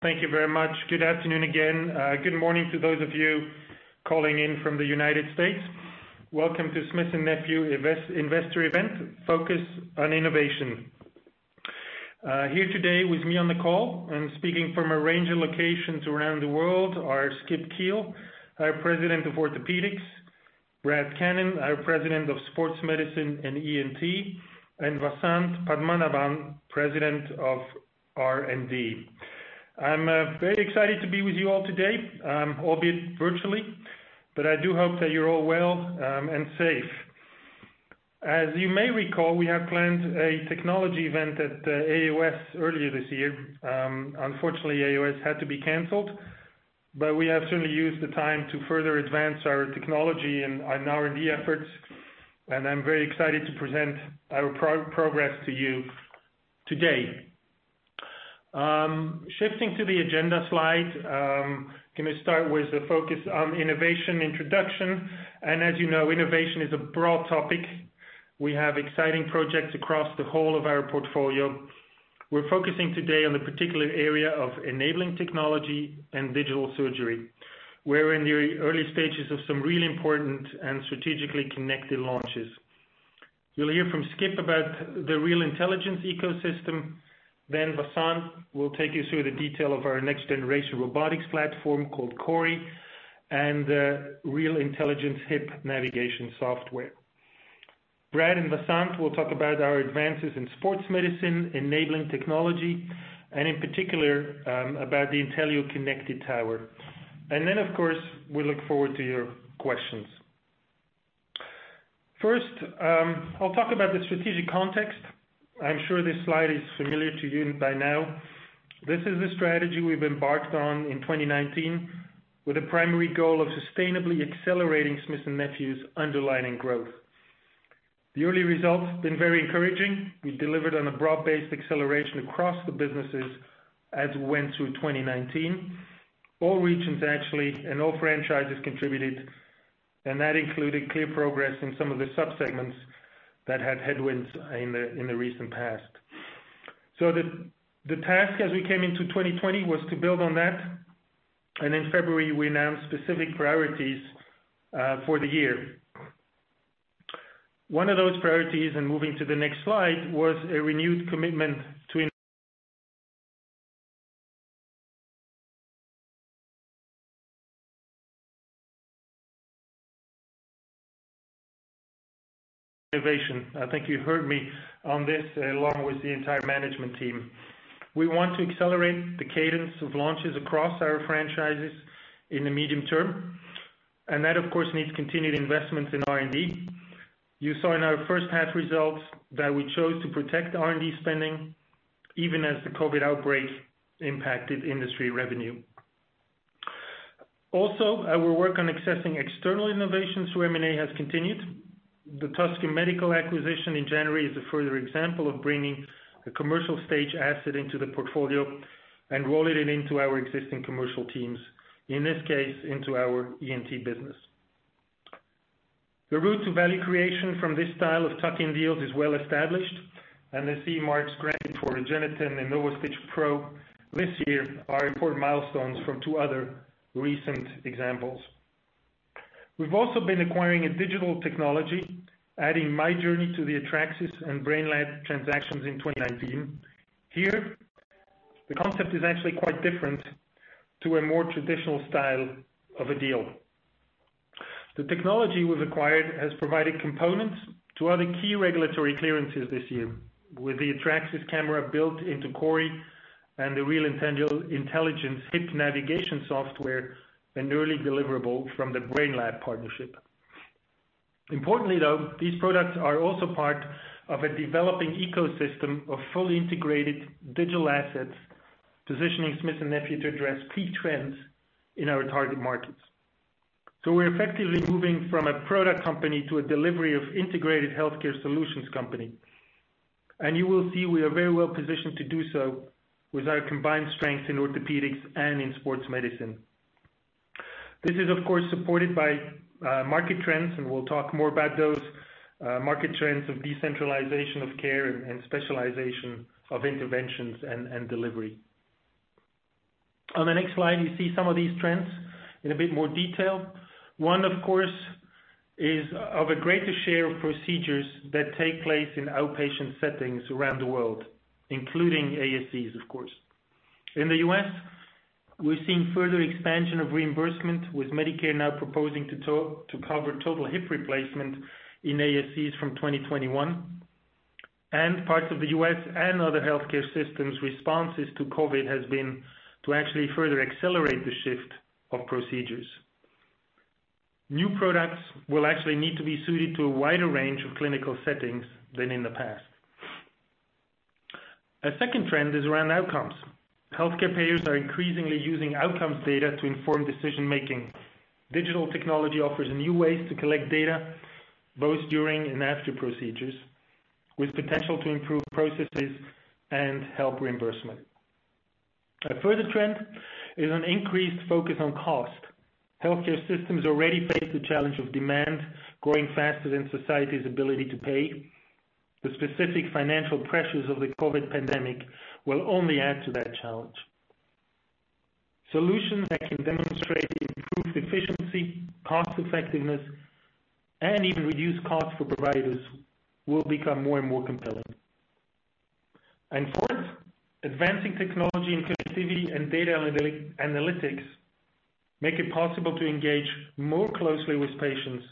Thank you very much. Good afternoon again. Good morning to those of you calling in from the United States. Welcome to Smith & Nephew Investor Event, Focused on Innovation. Here today with me on the call and speaking from a range of locations around the world are Skip Kiil, our President of Orthopaedics, Brad Cannon, our President of Sports Medicine and ENT, and Vasant Padmanabhan, President of R&D. I'm very excited to be with you all today, albeit virtually, but I do hope that you're all well and safe. As you may recall, we have planned a technology event at AAOS earlier this year. Unfortunately, AAOS had to be canceled, but we have certainly used the time to further advance our technology and R&D efforts, and I'm very excited to present our progress to you today. Shifting to the agenda slide, can I start with a focus on innovation introduction? As you know, innovation is a broad topic. We have exciting projects across the whole of our portfolio. We're focusing today on the particular area of Enabling Technology and digital surgery. We're in the early stages of some really important and strategically connected launches. You'll hear from Skip about the Real Intelligence ecosystem. Then Vasant will take you through the detail of our next-generation robotics platform called CORI and Real Intelligence hip navigation software. Brad and Vasant will talk about our advances in sports medicine, Enabling Technology, and in particular about the INTELLIO Connected Tower. Of course, we look forward to your questions. First, I'll talk about the strategic context. I'm sure this slide is familiar to you by now. This is the strategy we've embarked on in 2019 with a primary goal of sustainably accelerating Smith & Nephew's underlying growth. The early results have been very encouraging. We delivered on a broad-based acceleration across the businesses as we went through 2019. All regions, actually, and all franchises contributed, and that included clear progress in some of the subsegments that had headwinds in the recent past. So the task, as we came into 2020, was to build on that, and in February, we announced specific priorities for the year. One of those priorities, and moving to the next slide, was a renewed commitment to innovation. I think you heard me on this along with the entire management team. We want to accelerate the cadence of launches across our franchises in the medium term, and that, of course, needs continued investments in R&D. You saw in our first half results that we chose to protect R&D spending even as the COVID outbreak impacted industry revenue. Also, our work on accessing external innovation through M&A has continued. The Tusker Medical acquisition in January is a further example of bringing a commercial stage asset into the portfolio and rolling it into our existing commercial teams, in this case, into our ENT business. The route to value creation from this style of tuck-in deals is well established, and the CE marks granted for REGENETEN and NOVOSTITCH PRO this year are important milestones from two other recent examples. We've also been acquiring a digital technology, adding JOURNEY to the Atracsys and Brainlab transactions in 2019. Here, the concept is actually quite different to a more traditional style of a deal. The technology we've acquired has provided components to other key regulatory clearances this year, with the Atracsys camera built into CORI and the Real Intelligence hip navigation software, an early deliverable from the Brainlab partnership. Importantly, though, these products are also part of a developing ecosystem of fully integrated digital assets, positioning Smith & Nephew to address key trends in our target markets, so we're effectively moving from a product company to a delivery of integrated healthcare solutions company, and you will see we are very well positioned to do so with our combined strengths in orthopedics and in sports medicine. This is, of course, supported by market trends, and we'll talk more about those market trends of decentralization of care and specialization of interventions and delivery. On the next slide, you see some of these trends in a bit more detail. One, of course, is of a greater share of procedures that take place in outpatient settings around the world, including ASCs, of course. In the U.S., we're seeing further expansion of reimbursement, with Medicare now proposing to cover total hip replacement in ASCs from 2021, and parts of the U.S. and other healthcare systems' responses to COVID have been to actually further accelerate the shift of procedures. New products will actually need to be suited to a wider range of clinical settings than in the past. A second trend is around outcomes. Healthcare payers are increasingly using outcomes data to inform decision-making. Digital technology offers new ways to collect data, both during and after procedures, with potential to improve processes and help reimbursement. A further trend is an increased focus on cost. Healthcare systems already face the challenge of demand growing faster than society's ability to pay. The specific financial pressures of the COVID pandemic will only add to that challenge. Solutions that can demonstrate improved efficiency, cost-effectiveness, and even reduce costs for providers will become more and more compelling, and fourth, advancing technology and connectivity and data analytics make it possible to engage more closely with patients,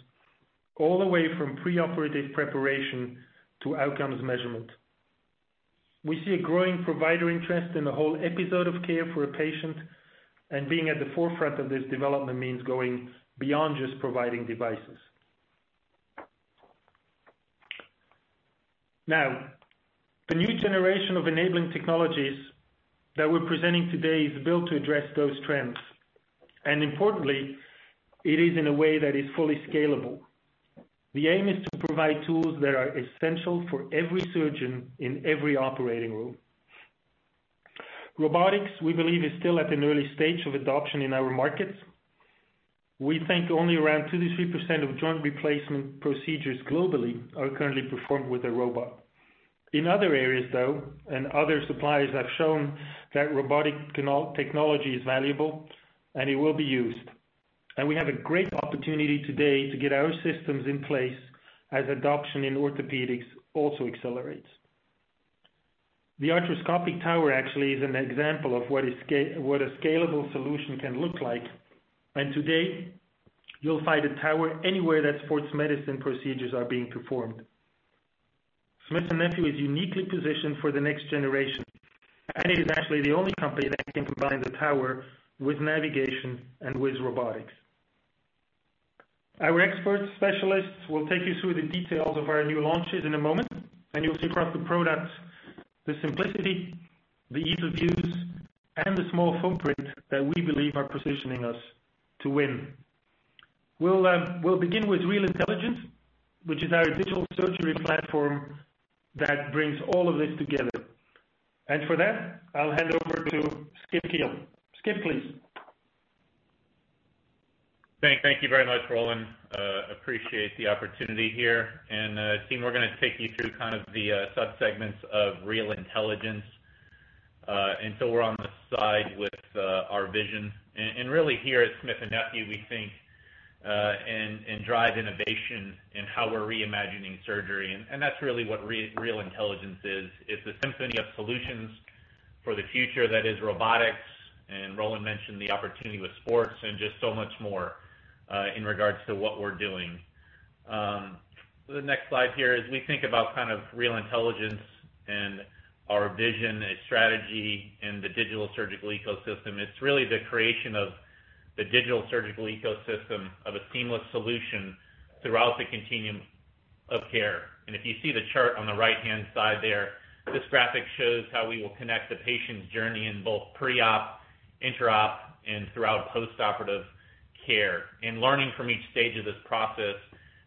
all the way from pre-operative preparation to outcomes measurement. We see a growing provider interest in the whole episode of care for a patient, and being at the forefront of this development means going beyond just providing devices. Now, the new generation of Enabling Technologies that we're presenting today is built to address those trends, and importantly, it is in a way that is fully scalable. The aim is to provide tools that are essential for every surgeon in every operating room. Robotics, we believe, is still at an early stage of adoption in our markets. We think only around 2% to 3% of joint replacement procedures globally are currently performed with a robot. In other areas, though, and other suppliers have shown that robotic technology is valuable and it will be used, and we have a great opportunity today to get our systems in place as adoption in orthopedics also accelerates. The arthroscopic tower actually is an example of what a scalable solution can look like, and today you'll find a tower anywhere that sports medicine procedures are being performed. Smith & Nephew is uniquely positioned for the next generation, and it is actually the only company that can combine the tower with navigation and with robotics. Our expert specialists will take you through the details of our new launches in a moment, and you'll see across the products the simplicity, the ease of use, and the small footprint that we believe are positioning us to win. We'll begin with Real Intelligence, which is our digital surgery platform that brings all of this together, and for that, I'll hand over to Skip Kiil. Skip, please. Thank you very much, Roland. Appreciate the opportunity here, and the team we're going to take you through kind of the subsegments of Real Intelligence until we're on the side with our vision, and really here at Smith & Nephew, we think and drive innovation in how we're reimagining surgery, and that's really what Real Intelligence is. It's a symphony of solutions for the future that is robotics, and Roland mentioned the opportunity with sports and just so much more in regards to what we're doing. The next slide here is we think about kind of Real Intelligence and our vision, a strategy in the digital surgical ecosystem. It's really the creation of the digital surgical ecosystem of a seamless solution throughout the continuum of care. And if you see the chart on the right-hand side there, this graphic shows how we will connect the patient's journey in both pre-op, intra-op, and throughout post-operative care. And learning from each stage of this process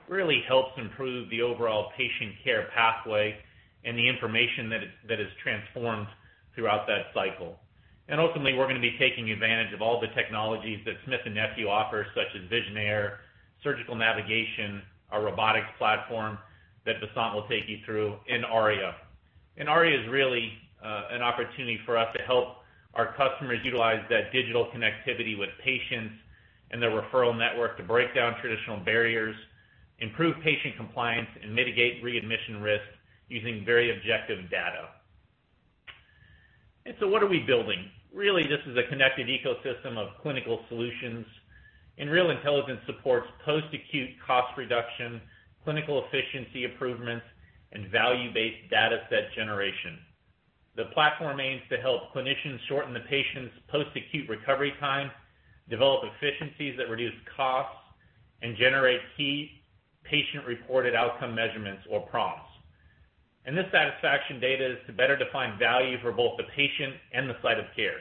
really helps improve the overall patient care pathway and the information that is transformed throughout that cycle. And ultimately, we're going to be taking advantage of all the technologies that Smith & Nephew offers, such as VISIONAIRE, surgical navigation, our robotics platform that Vasant will take you through, and ARIA. And ARIA is really an opportunity for us to help our customers utilize that digital connectivity with patients and their referral network to break down traditional barriers, improve patient compliance, and mitigate readmission risk using very objective data. And so what are we building? Really, this is a connected ecosystem of clinical solutions, and Real Intelligence supports post-acute cost reduction, clinical efficiency improvements, and value-based data set generation. The platform aims to help clinicians shorten the patient's post-acute recovery time, develop efficiencies that reduce costs, and generate key patient-reported outcome measurements or PROMs, and this satisfaction data is to better define value for both the patient and the site of care.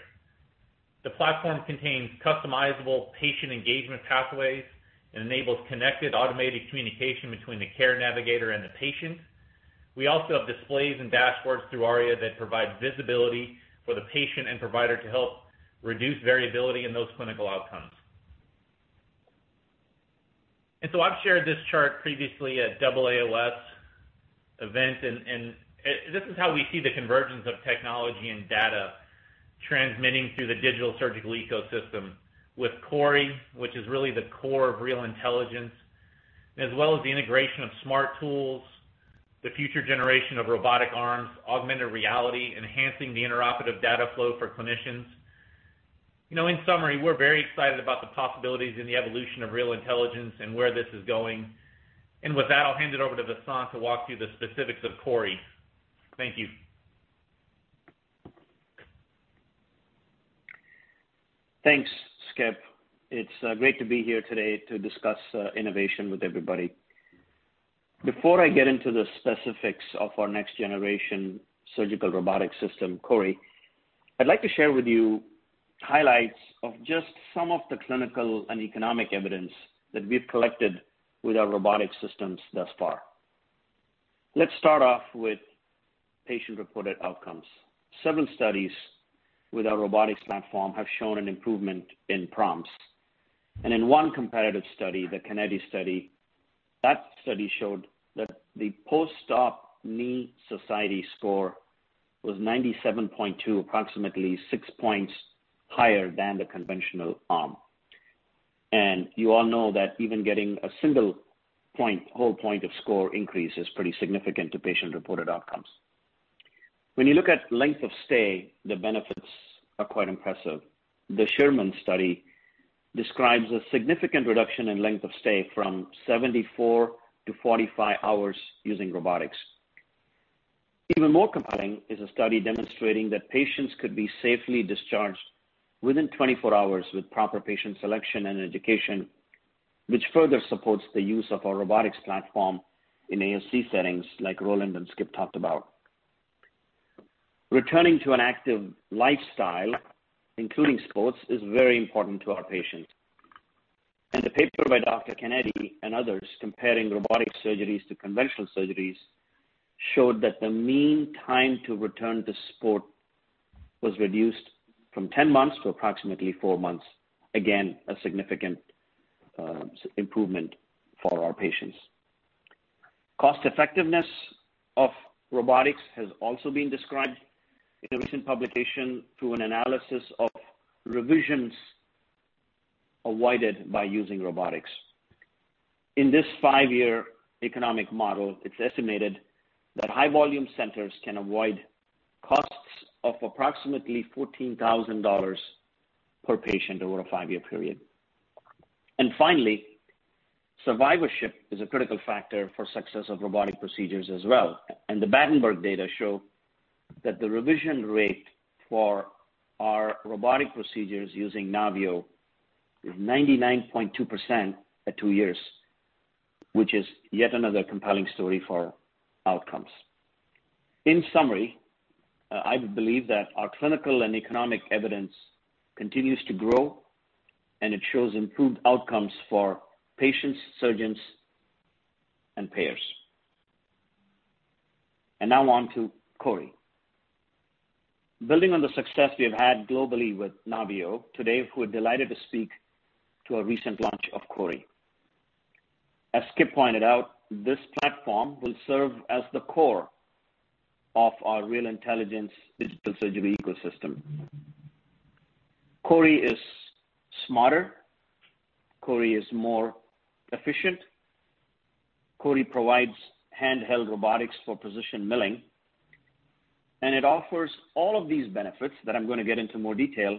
The platform contains customizable patient engagement pathways and enables connected automated communication between the care navigator and the patient. We also have displays and dashboards through ARIA that provide visibility for the patient and provider to help reduce variability in those clinical outcomes. And so I've shared this chart previously at AAOS event, and this is how we see the convergence of technology and data transmitting through the digital surgical ecosystem with CORI, which is really the core of Real Intelligence, as well as the integration of smart tools, the future generation of robotic arms, augmented reality, enhancing the intraoperative data flow for clinicians. In summary, we're very excited about the possibilities in the evolution of Real Intelligence and where this is going. And with that, I'll hand it over to Vasant to walk through the specifics of CORI. Thank you. Thanks, Skip. It's great to be here today to discuss innovation with everybody. Before I get into the specifics of our next-generation surgical robotic system, CORI, I'd like to share with you highlights of just some of the clinical and economic evidence that we've collected with our robotic systems thus far. Let's start off with patient-reported outcomes. Several studies with our robotics platform have shown an improvement in PROMs, and in one comparative study, the Kennedy Institute study, that study showed that the post-op Knee Society Score was 97.2, approximately six points higher than the conventional arm, and you all know that even getting a single whole point-of-score increase is pretty significant to patient-reported outcomes. When you look at length of stay, the benefits are quite impressive. The Sherman study describes a significant reduction in length of stay from 74 hours to 45 hours using robotics. Even more compelling is a study demonstrating that patients could be safely discharged within 24 hours with proper patient selection and education, which further supports the use of our robotics platform in ASC settings like Roland and Skip talked about. Returning to an active lifestyle, including sports, is very important to our patients, and the paper by Dr. Kennedy and others comparing robotic surgeries to conventional surgeries showed that the mean time to return to sport was reduced from 10 months to approximately 4 months, again, a significant improvement for our patients. Cost-effectiveness of robotics has also been described in a recent publication through an analysis of revisions avoided by using robotics. In this five-year economic model, it's estimated that high-volume centers can avoid costs of approximately $14,000 per patient over a five-year period, and finally, survivorship is a critical factor for success of robotic procedures as well. The Berenberg data show that the revision rate for our robotic procedures using NAVIO is 99.2% at two years, which is yet another compelling story for outcomes. In summary, I believe that our clinical and economic evidence continues to grow, and it shows improved outcomes for patients, surgeons, and payers. Now on to CORI. Building on the success we have had globally with NAVIO, today we're delighted to speak to a recent launch of CORI. As Skip pointed out, this platform will serve as the core of our Real Intelligence digital surgery ecosystem. CORI is smarter. CORI is more efficient. CORI provides handheld robotics for precision milling, and it offers all of these benefits that I'm going to get into more detail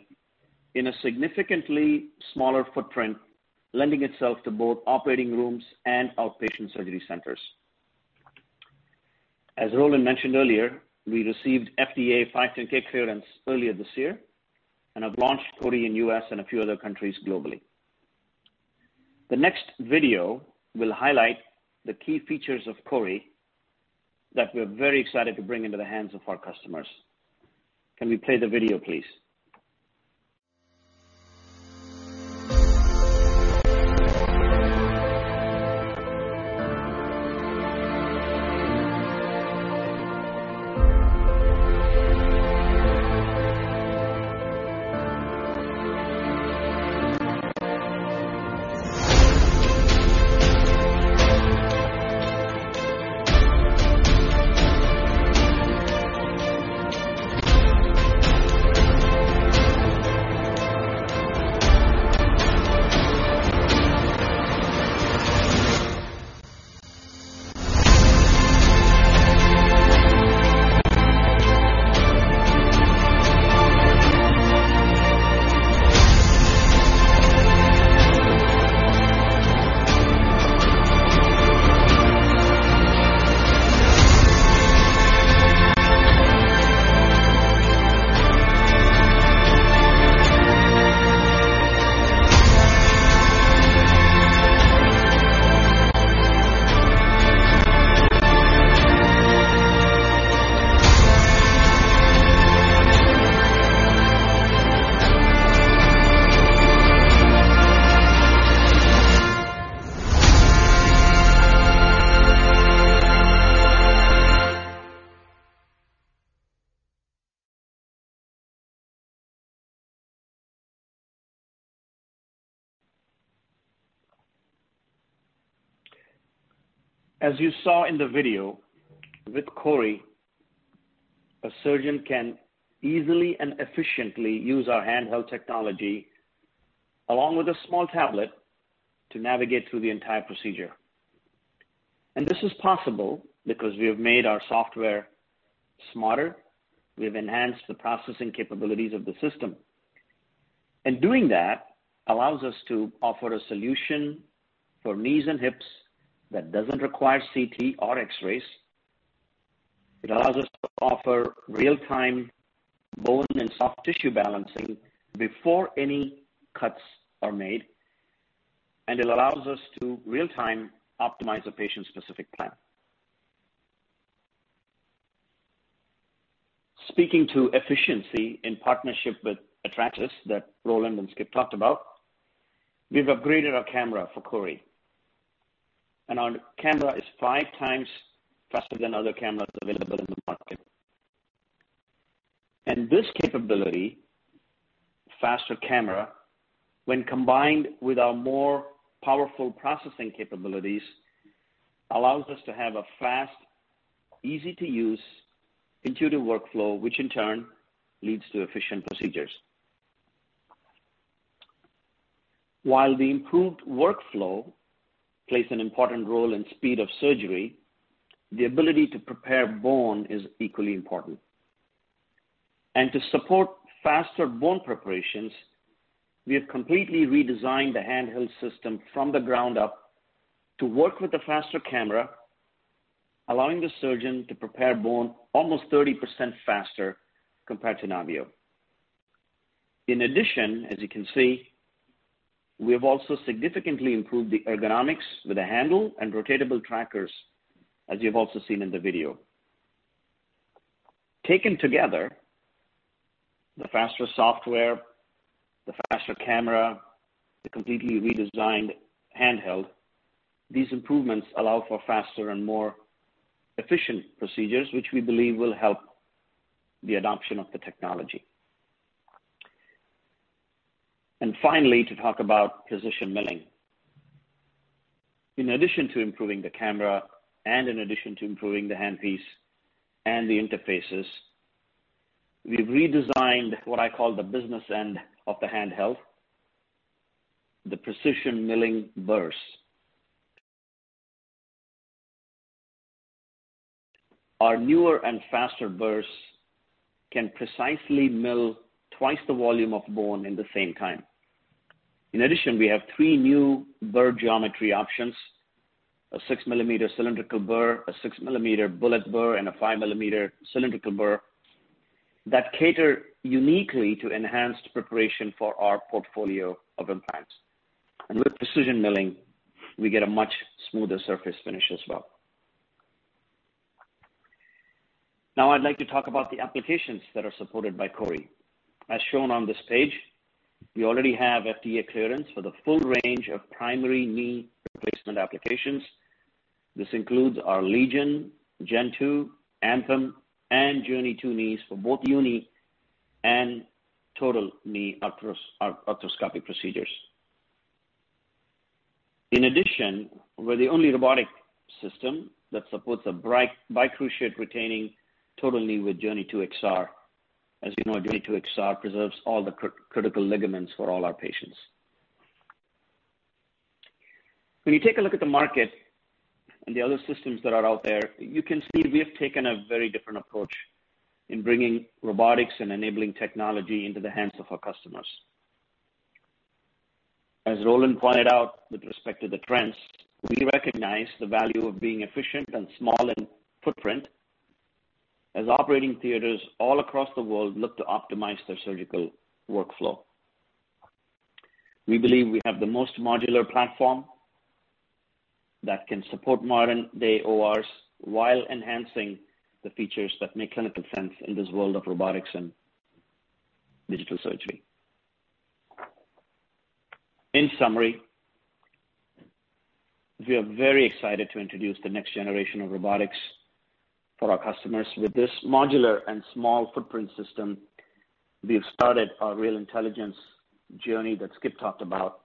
in a significantly smaller footprint, lending itself to both operating rooms and outpatient surgery centers. As Roland mentioned earlier, we received FDA 510(k) clearance earlier this year and have launched CORI in the U.S. and a few other countries globally. The next video will highlight the key features of CORI that we're very excited to bring into the hands of our customers. Can we play the video, please? As you saw in the video, with CORI, a surgeon can easily and efficiently use our handheld technology along with a small tablet to navigate through the entire procedure. And this is possible because we have made our software smarter. We have enhanced the processing capabilities of the system. And doing that allows us to offer a solution for knees and hips that doesn't require CT or X-rays. It allows us to offer real-time bone and soft tissue balancing before any cuts are made, and it allows us to real-time optimize a patient-specific plan. Speaking to efficiency in partnership with Atracsys that Roland and Skip talked about, we've upgraded our camera for CORI, and our camera is five times faster than other cameras available in the market, and this capability, faster camera, when combined with our more powerful processing capabilities, allows us to have a fast, easy-to-use, intuitive workflow, which in turn leads to efficient procedures. While the improved workflow plays an important role in speed of surgery, the ability to prepare bone is equally important, and to support faster bone preparations, we have completely redesigned the handheld system from the ground up to work with the faster camera, allowing the surgeon to prepare bone almost 30% faster compared to NAVIO. In addition, as you can see, we have also significantly improved the ergonomics with a handle and rotatable trackers, as you've also seen in the video. Taken together, the faster software, the faster camera, the completely redesigned handheld, these improvements allow for faster and more efficient procedures, which we believe will help the adoption of the technology. And finally, to talk about precision milling. In addition to improving the camera and in addition to improving the handpiece and the interfaces, we've redesigned what I call the business end of the handheld, the precision milling burrs. Our newer and faster burrs can precisely mill twice the volume of bone in the same time. In addition, we have three new burr geometry options: a 6-millimeter cylindrical burr, a 6-millimeter bullet burr, and a 5-millimeter cylindrical burr that cater uniquely to enhanced preparation for our portfolio of implants. And with precision milling, we get a much smoother surface finish as well. Now, I'd like to talk about the applications that are supported by CORI. As shown on this page, we already have FDA clearance for the full range of primary knee replacement applications. This includes our LEGION, GENESIS II, ANTHEM, and JOURNEY II knees for both uni and total knee arthroscopic procedures. In addition, we're the only robotic system that supports a bicruciate retaining total knee with JOURNEY II XR. As you know, JOURNEY II XR preserves all the critical ligaments for all our patients. When you take a look at the market and the other systems that are out there, you can see we have taken a very different approach in bringing robotics and Enabling Technology into the hands of our customers. As Roland pointed out with respect to the trends, we recognize the value of being efficient and small in footprint as operating theaters all across the world look to optimize their surgical workflow. We believe we have the most modular platform that can support modern-day ORs while enhancing the features that make clinical sense in this world of robotics and digital surgery. In summary, we are very excited to introduce the next generation of robotics for our customers. With this modular and small footprint system, we've started our Real Intelligence journey that Skip talked about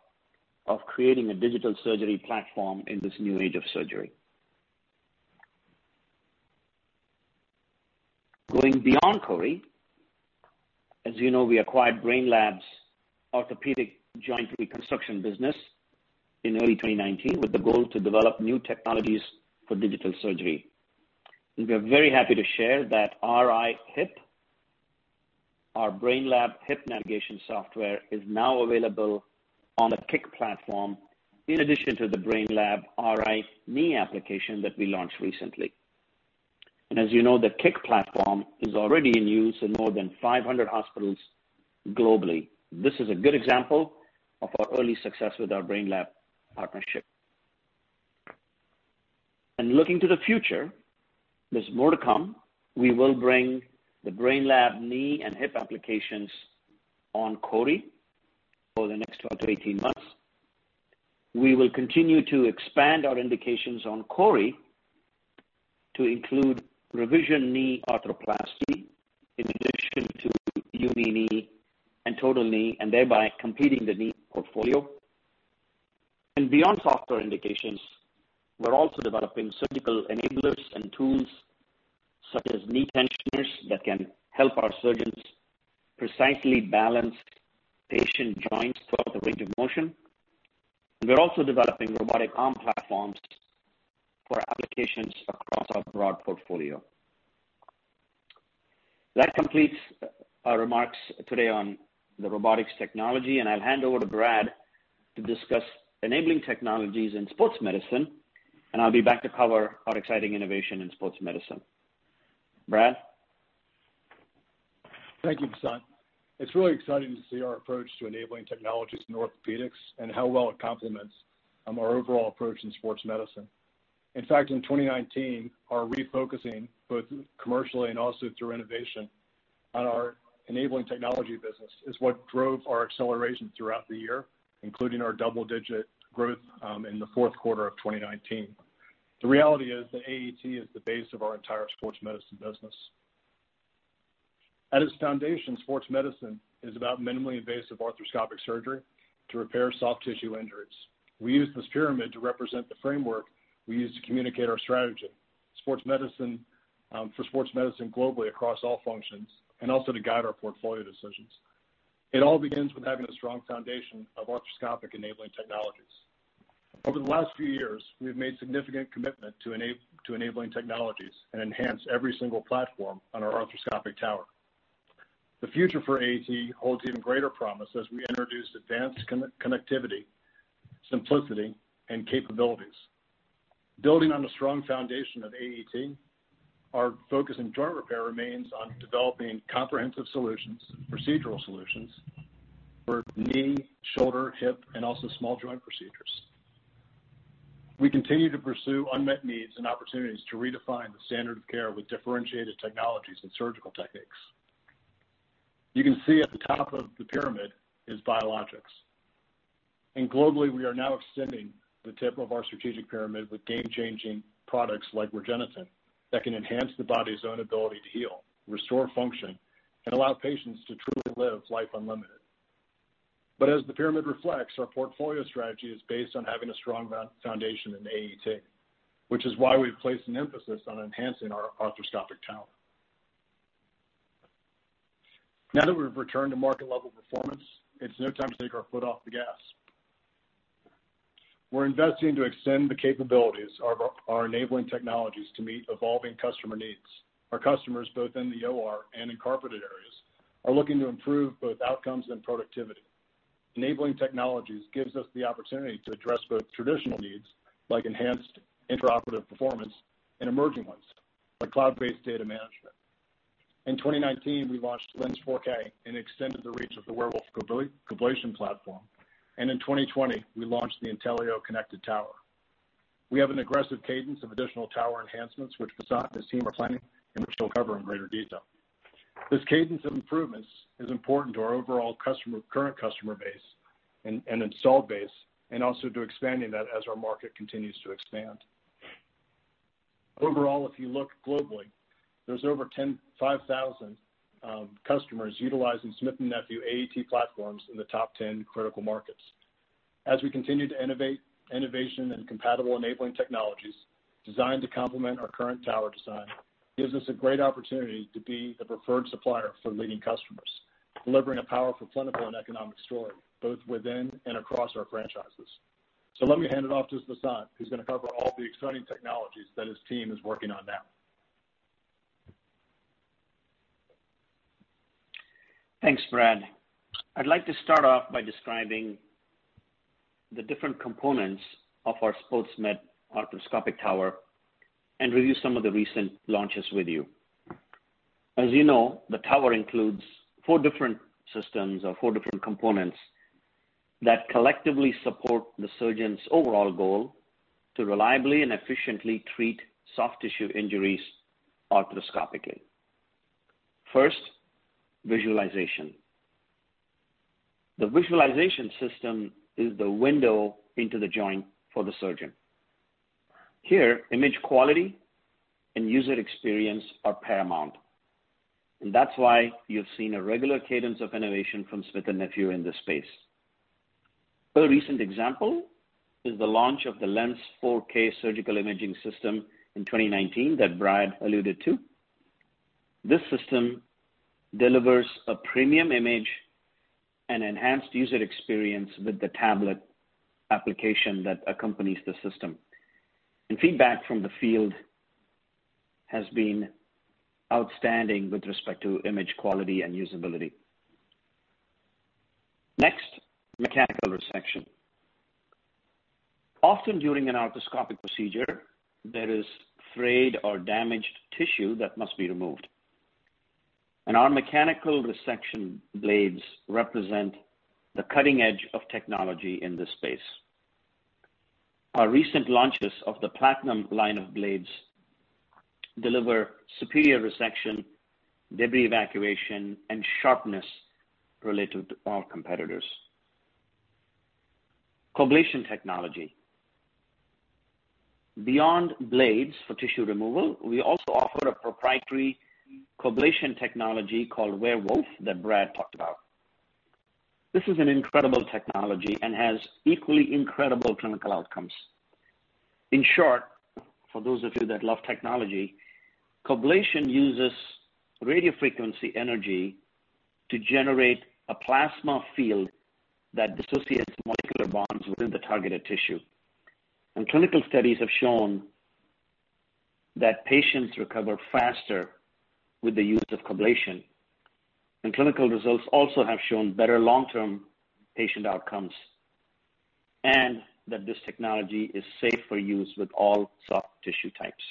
of creating a digital surgery platform in this new age of surgery. Going beyond CORI, as you know, we acquired Brainlab's orthopedic joint reconstruction business in early 2019 with the goal to develop new technologies for digital surgery, and we are very happy to share that RI.HIP, our Brainlab HIP navigation software, is now available on the KICK platform in addition to the Brainlab RI.KNEE application that we launched recently. As you know, the KICK platform is already in use in more than 500 hospitals globally. This is a good example of our early success with our Brainlab partnership. Looking to the future, there's more to come. We will bring the Brainlab KNEE and HIP applications on CORI over the next 12-18 months. We will continue to expand our indications on CORI to include revision knee arthroplasty in addition to uni knee and total knee, and thereby completing the knee portfolio. Beyond software indications, we're also developing surgical enablers and tools such as knee tensioners that can help our surgeons precisely balance patient joints throughout the range of motion. We're also developing robotic arm platforms for applications across our broad portfolio. That completes our remarks today on the robotics technology, and I'll hand over to Brad to discuss Enabling Technologies in sports medicine, and I'll be back to cover our exciting innovation in sports medicine. Brad. Thank you, Vasant. It's really exciting to see our approach to Enabling Technologies in orthopedics and how well it complements our overall approach in sports medicine. In fact, in 2019, our refocusing, both commercially and also through innovation, on our Enabling Technology business is what drove our acceleration throughout the year, including our double-digit growth in the fourth quarter of 2019. The reality is that AET is the base of our entire sports medicine business. At its foundation, sports medicine is about minimally invasive arthroscopic surgery to repair soft tissue injuries. We use this pyramid to represent the framework we use to communicate our strategy for sports medicine globally across all functions and also to guide our portfolio decisions. It all begins with having a strong foundation of Arthroscopic Enabling Technologies. Over the last few years, we've made significant commitment to Enabling Technologies and enhance every single platform on our arthroscopic tower. The future for AET holds even greater promise as we introduce advanced connectivity, simplicity, and capabilities. Building on a strong foundation of AET, our focus in joint repair remains on developing comprehensive procedural solutions for knee, shoulder, hip, and also small joint procedures. We continue to pursue unmet needs and opportunities to redefine the standard of care with differentiated technologies and surgical techniques. You can see at the top of the pyramid is Biologics. Globally, we are now extending the tip of our strategic pyramid with game-changing products like REGENETEN that can enhance the body's own ability to heal, restore function, and allow patients to truly live life unlimited. But as the pyramid reflects, our portfolio strategy is based on having a strong foundation in AET, which is why we've placed an emphasis on enhancing our arthroscopic tower. Now that we've returned to market-level performance, it's no time to take our foot off the gas. We're investing to extend the capabilities of our Enabling Technologies to meet evolving customer needs. Our customers, both in the OR and in carpeted areas, are looking to improve both outcomes and productivity. Enabling Technologies gives us the opportunity to address both traditional needs like enhanced intraoperative performance and emerging ones like cloud-based data management. In 2019, we launched LENS 4K and extended the reach of the WEREWOLF COBLATION platform, and in 2020, we launched the INTELLIO Connected Tower. We have an aggressive cadence of additional tower enhancements, which Vasant and his team are planning, and which we'll cover in greater detail. This cadence of improvements is important to our overall current customer base and installed base, and also to expanding that as our market continues to expand. Overall, if you look globally, there's over 5,000 customers utilizing Smith & Nephew AET platforms in the top 10 critical markets. As we continue to innovate, innovation and compatible Enabling Technologies designed to complement our current tower design gives us a great opportunity to be the preferred supplier for leading customers, delivering a powerful clinical and economic story, both within and across our franchises. So let me hand it off to Vasant, who's going to cover all the exciting technologies that his team is working on now. Thanks, Brad. I'd like to start off by describing the different components of our SportsMed arthroscopic tower and review some of the recent launches with you. As you know, the tower includes four different systems or four different components that collectively support the surgeon's overall goal to reliably and efficiently treat soft tissue injuries arthroscopically. First, visualization. The visualization system is the window into the joint for the surgeon. Here, image quality and user experience are paramount. And that's why you've seen a regular cadence of innovation from Smith & Nephew in this space. A recent example is the launch of the LENS 4K surgical imaging system in 2019 that Brad alluded to. This system delivers a premium image and enhanced user experience with the tablet application that accompanies the system, and feedback from the field has been outstanding with respect to image quality and usability. Next, mechanical resection. Often during an arthroscopic procedure, there is frayed or damaged tissue that must be removed, and our mechanical resection blades represent the cutting edge of technology in this space. Our recent launches of the PLATINUM line of blades deliver superior resection, debris evacuation, and sharpness related to our competitors. Coblation technology. Beyond blades for tissue removal, we also offer a proprietary coblation technology called WEREWOLF that Brad talked about. This is an incredible technology and has equally incredible clinical outcomes. In short, for those of you that love technology, coblation uses radiofrequency energy to generate a plasma field that dissociates molecular bonds within the targeted tissue. Clinical studies have shown that patients recover faster with the use of coblation. Clinical results also have shown better long-term patient outcomes and that this technology is safe for use with all soft tissue types.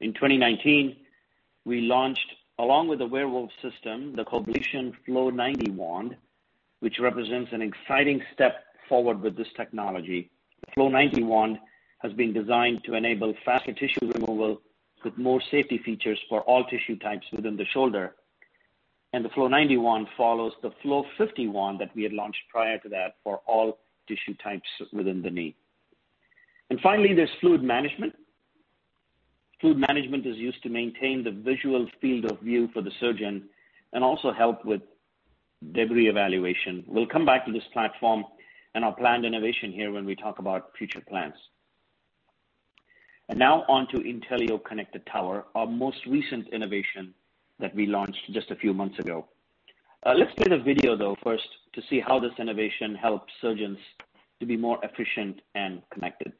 In 2019, we launched, along with the WEREWOLF system, the COBLATION FLOW 90 wand, which represents an exciting step forward with this technology. The FLOW 90 wand has been designed to enable faster tissue removal with more safety features for all tissue types within the shoulder. The FLOW 90 wand follows the FLOW 50 wand that we had launched prior to that for all tissue types within the knee. Finally, there's fluid management. Fluid management is used to maintain the visual field of view for the surgeon and also help with debris evacuation. We'll come back to this platform and our planned innovation here when we talk about future plans. Now on to INTELLIO Connected Tower, our most recent innovation that we launched just a few months ago. Let's play the video, though, first, to see how this innovation helps surgeons to be more efficient and connected.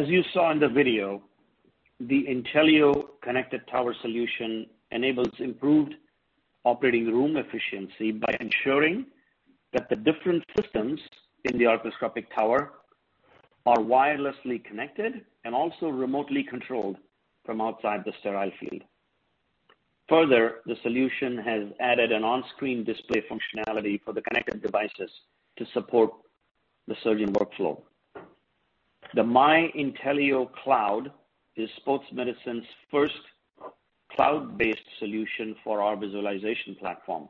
As you saw in the video, the INTELLIO Connected Tower solution enables improved operating room efficiency by ensuring that the different systems in the arthroscopic tower are wirelessly connected and also remotely controlled from outside the sterile field. Further, the solution has added an on-screen display functionality for the connected devices to support the surgeon workflow. The MY.INTELLIO Cloud is sports medicine's first cloud-based solution for our visualization platform.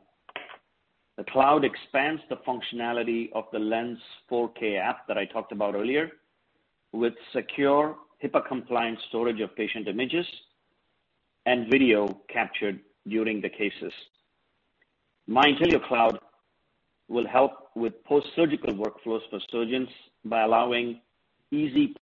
The cloud expands the functionality of the LENS 4K app that I talked about earlier with secure HIPAA-compliant storage of patient images and video captured during the cases. MY.INTELLIO Cloud will help with post-surgical workflows for surgeons by allowing easy.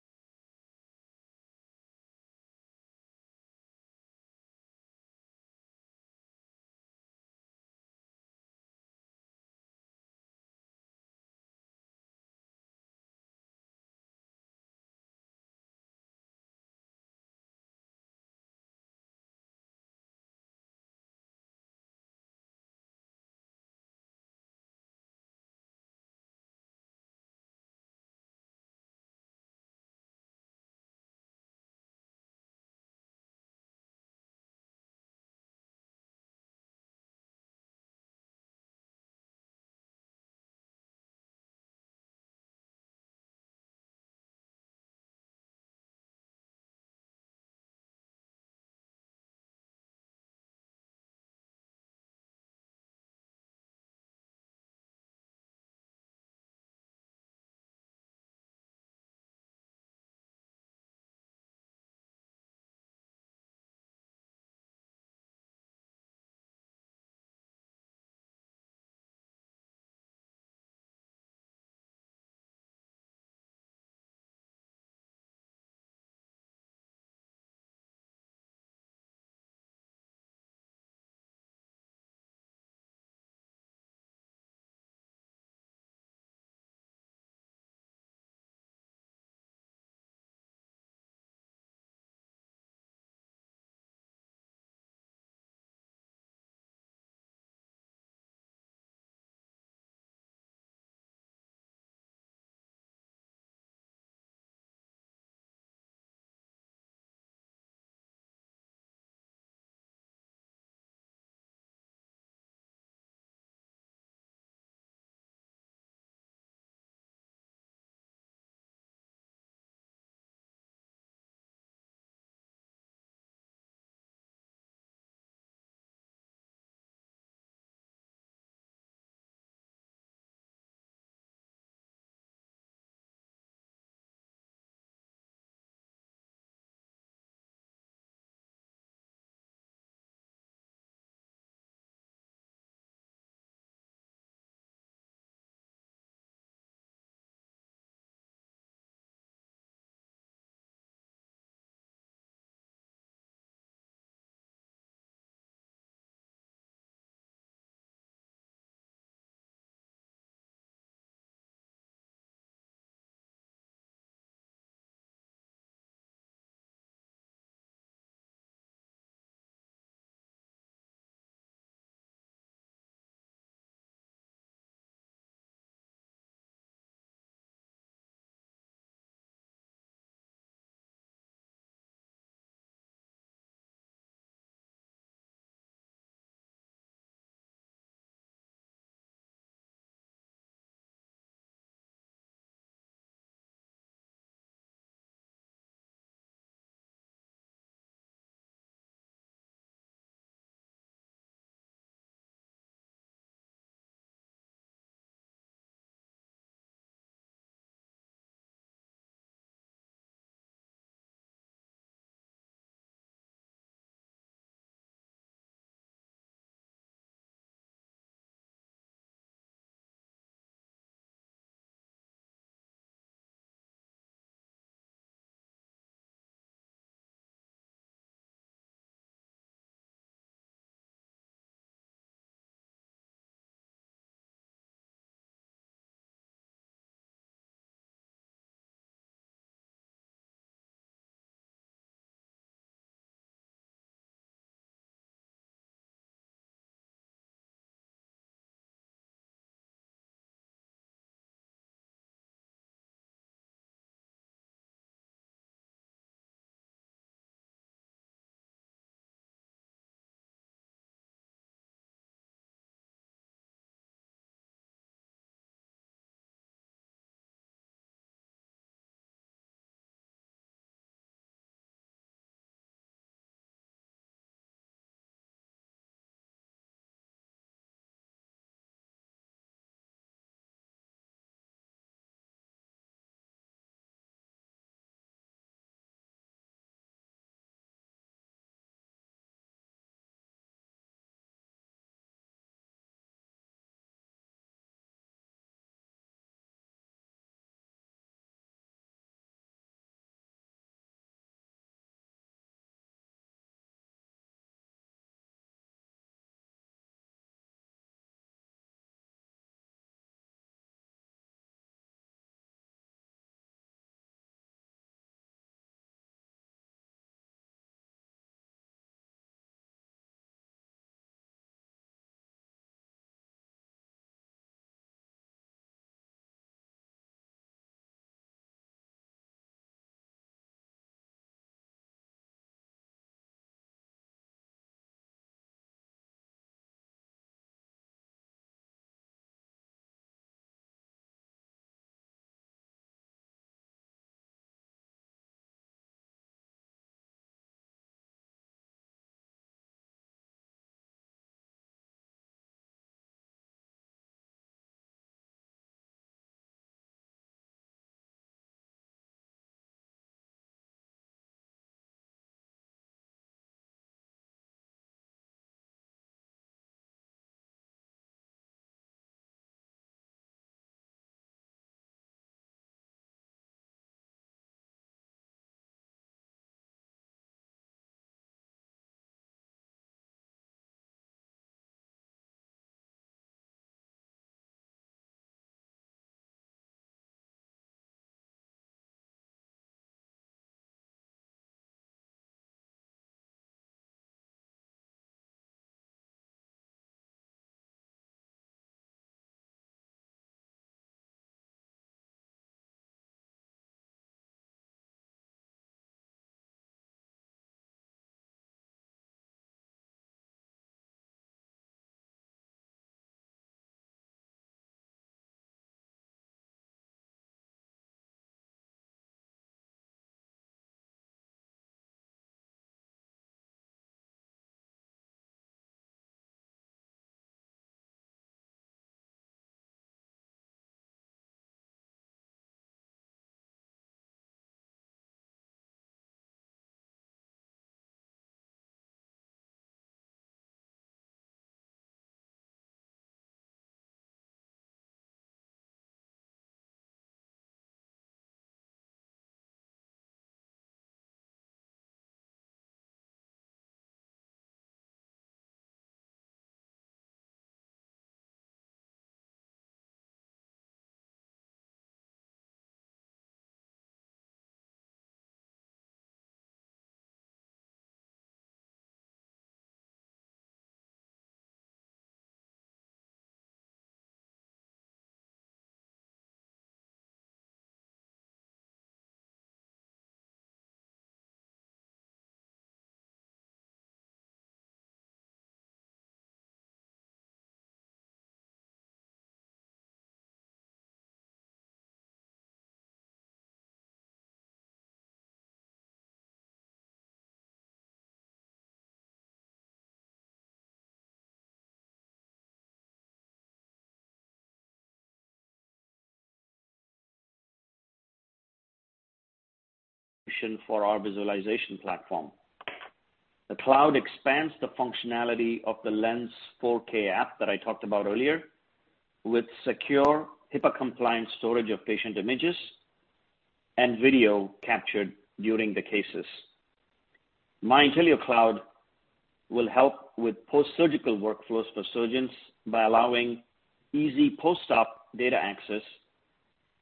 For our visualization platform. The cloud expands the functionality of the LENS 4K app that I talked about earlier with secure HIPAA-compliant storage of patient images and video captured during the cases. MY.INTELLIO will help with post-surgical workflows for surgeons by allowing easy post-op data access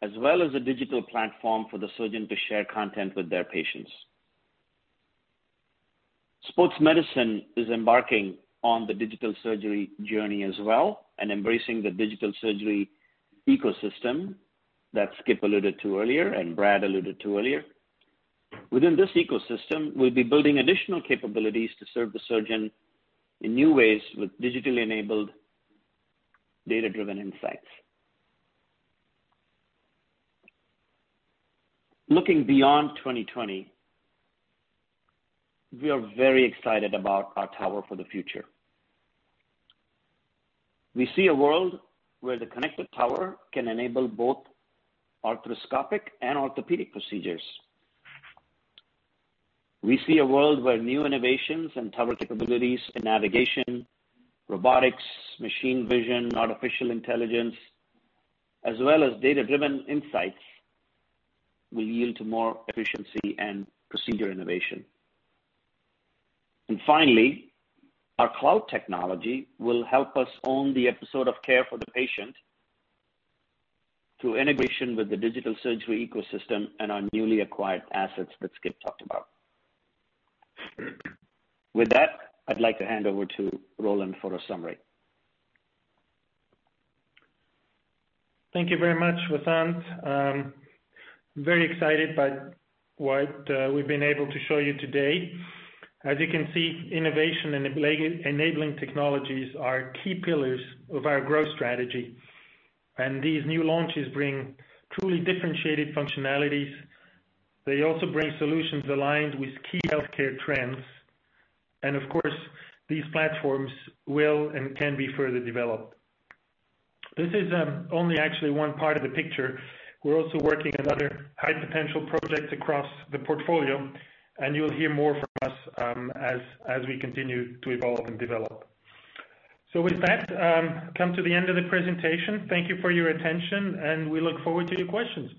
as well as a digital platform for the surgeon to share content with their patients. Sports Medicine is embarking on the digital surgery journey as well and embracing the digital surgery ecosystem that Skip alluded to earlier and Brad alluded to earlier. Within this ecosystem, we'll be building additional capabilities to serve the surgeon in new ways with digitally enabled data-driven insights. Looking beyond 2020, we are very excited about our tower for the future. We see a world where the connected tower can enable both arthroscopic and orthopedic procedures. We see a world where new innovations and tower capabilities in navigation, robotics, machine vision, artificial intelligence, as well as data-driven insights will yield more efficiency and procedure innovation. And finally, our cloud technology will help us own the episode of care for the patient through integration with the digital surgery ecosystem and our newly acquired assets that Skip talked about. With that, I'd like to hand over to Roland for a summary. Thank you very much, Vasant. Very excited by what we've been able to show you today. As you can see, innovation and Enabling Technologies are key pillars of our growth strategy. And these new launches bring truly differentiated functionalities. They also bring solutions aligned with key healthcare trends. And of course, these platforms will and can be further developed. This is only actually one part of the picture. We're also working on other high-potential projects across the portfolio. And you'll hear more from us as we continue to evolve and develop. So with that, come to the end of the presentation. Thank you for your attention. And we look forward to your questions.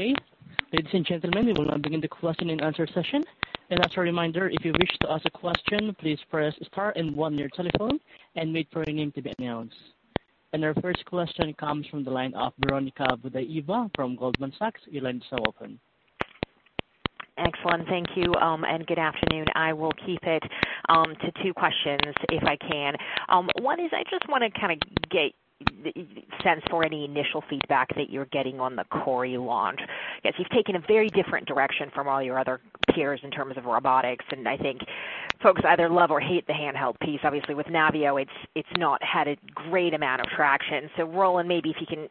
Okay. Ladies and gentlemen, we will now begin the question-and-answer session. And as a reminder, if you wish to ask a question, please press star and one on your telephone and wait for your name to be announced. And our first question comes from the line of Veronika Dubajova from Goldman Sachs. Your line is now open. Excellent. Thank you. And good afternoon. I will keep it to two questions if I can. One is I just want to kind of get a sense for any initial feedback that you're getting on the CORI launch. Yes, you've taken a very different direction from all your other peers in terms of robotics. And I think folks either love or hate the handheld piece. Obviously, with NAVIO, it's not had a great amount of traction. So Roland, maybe if you can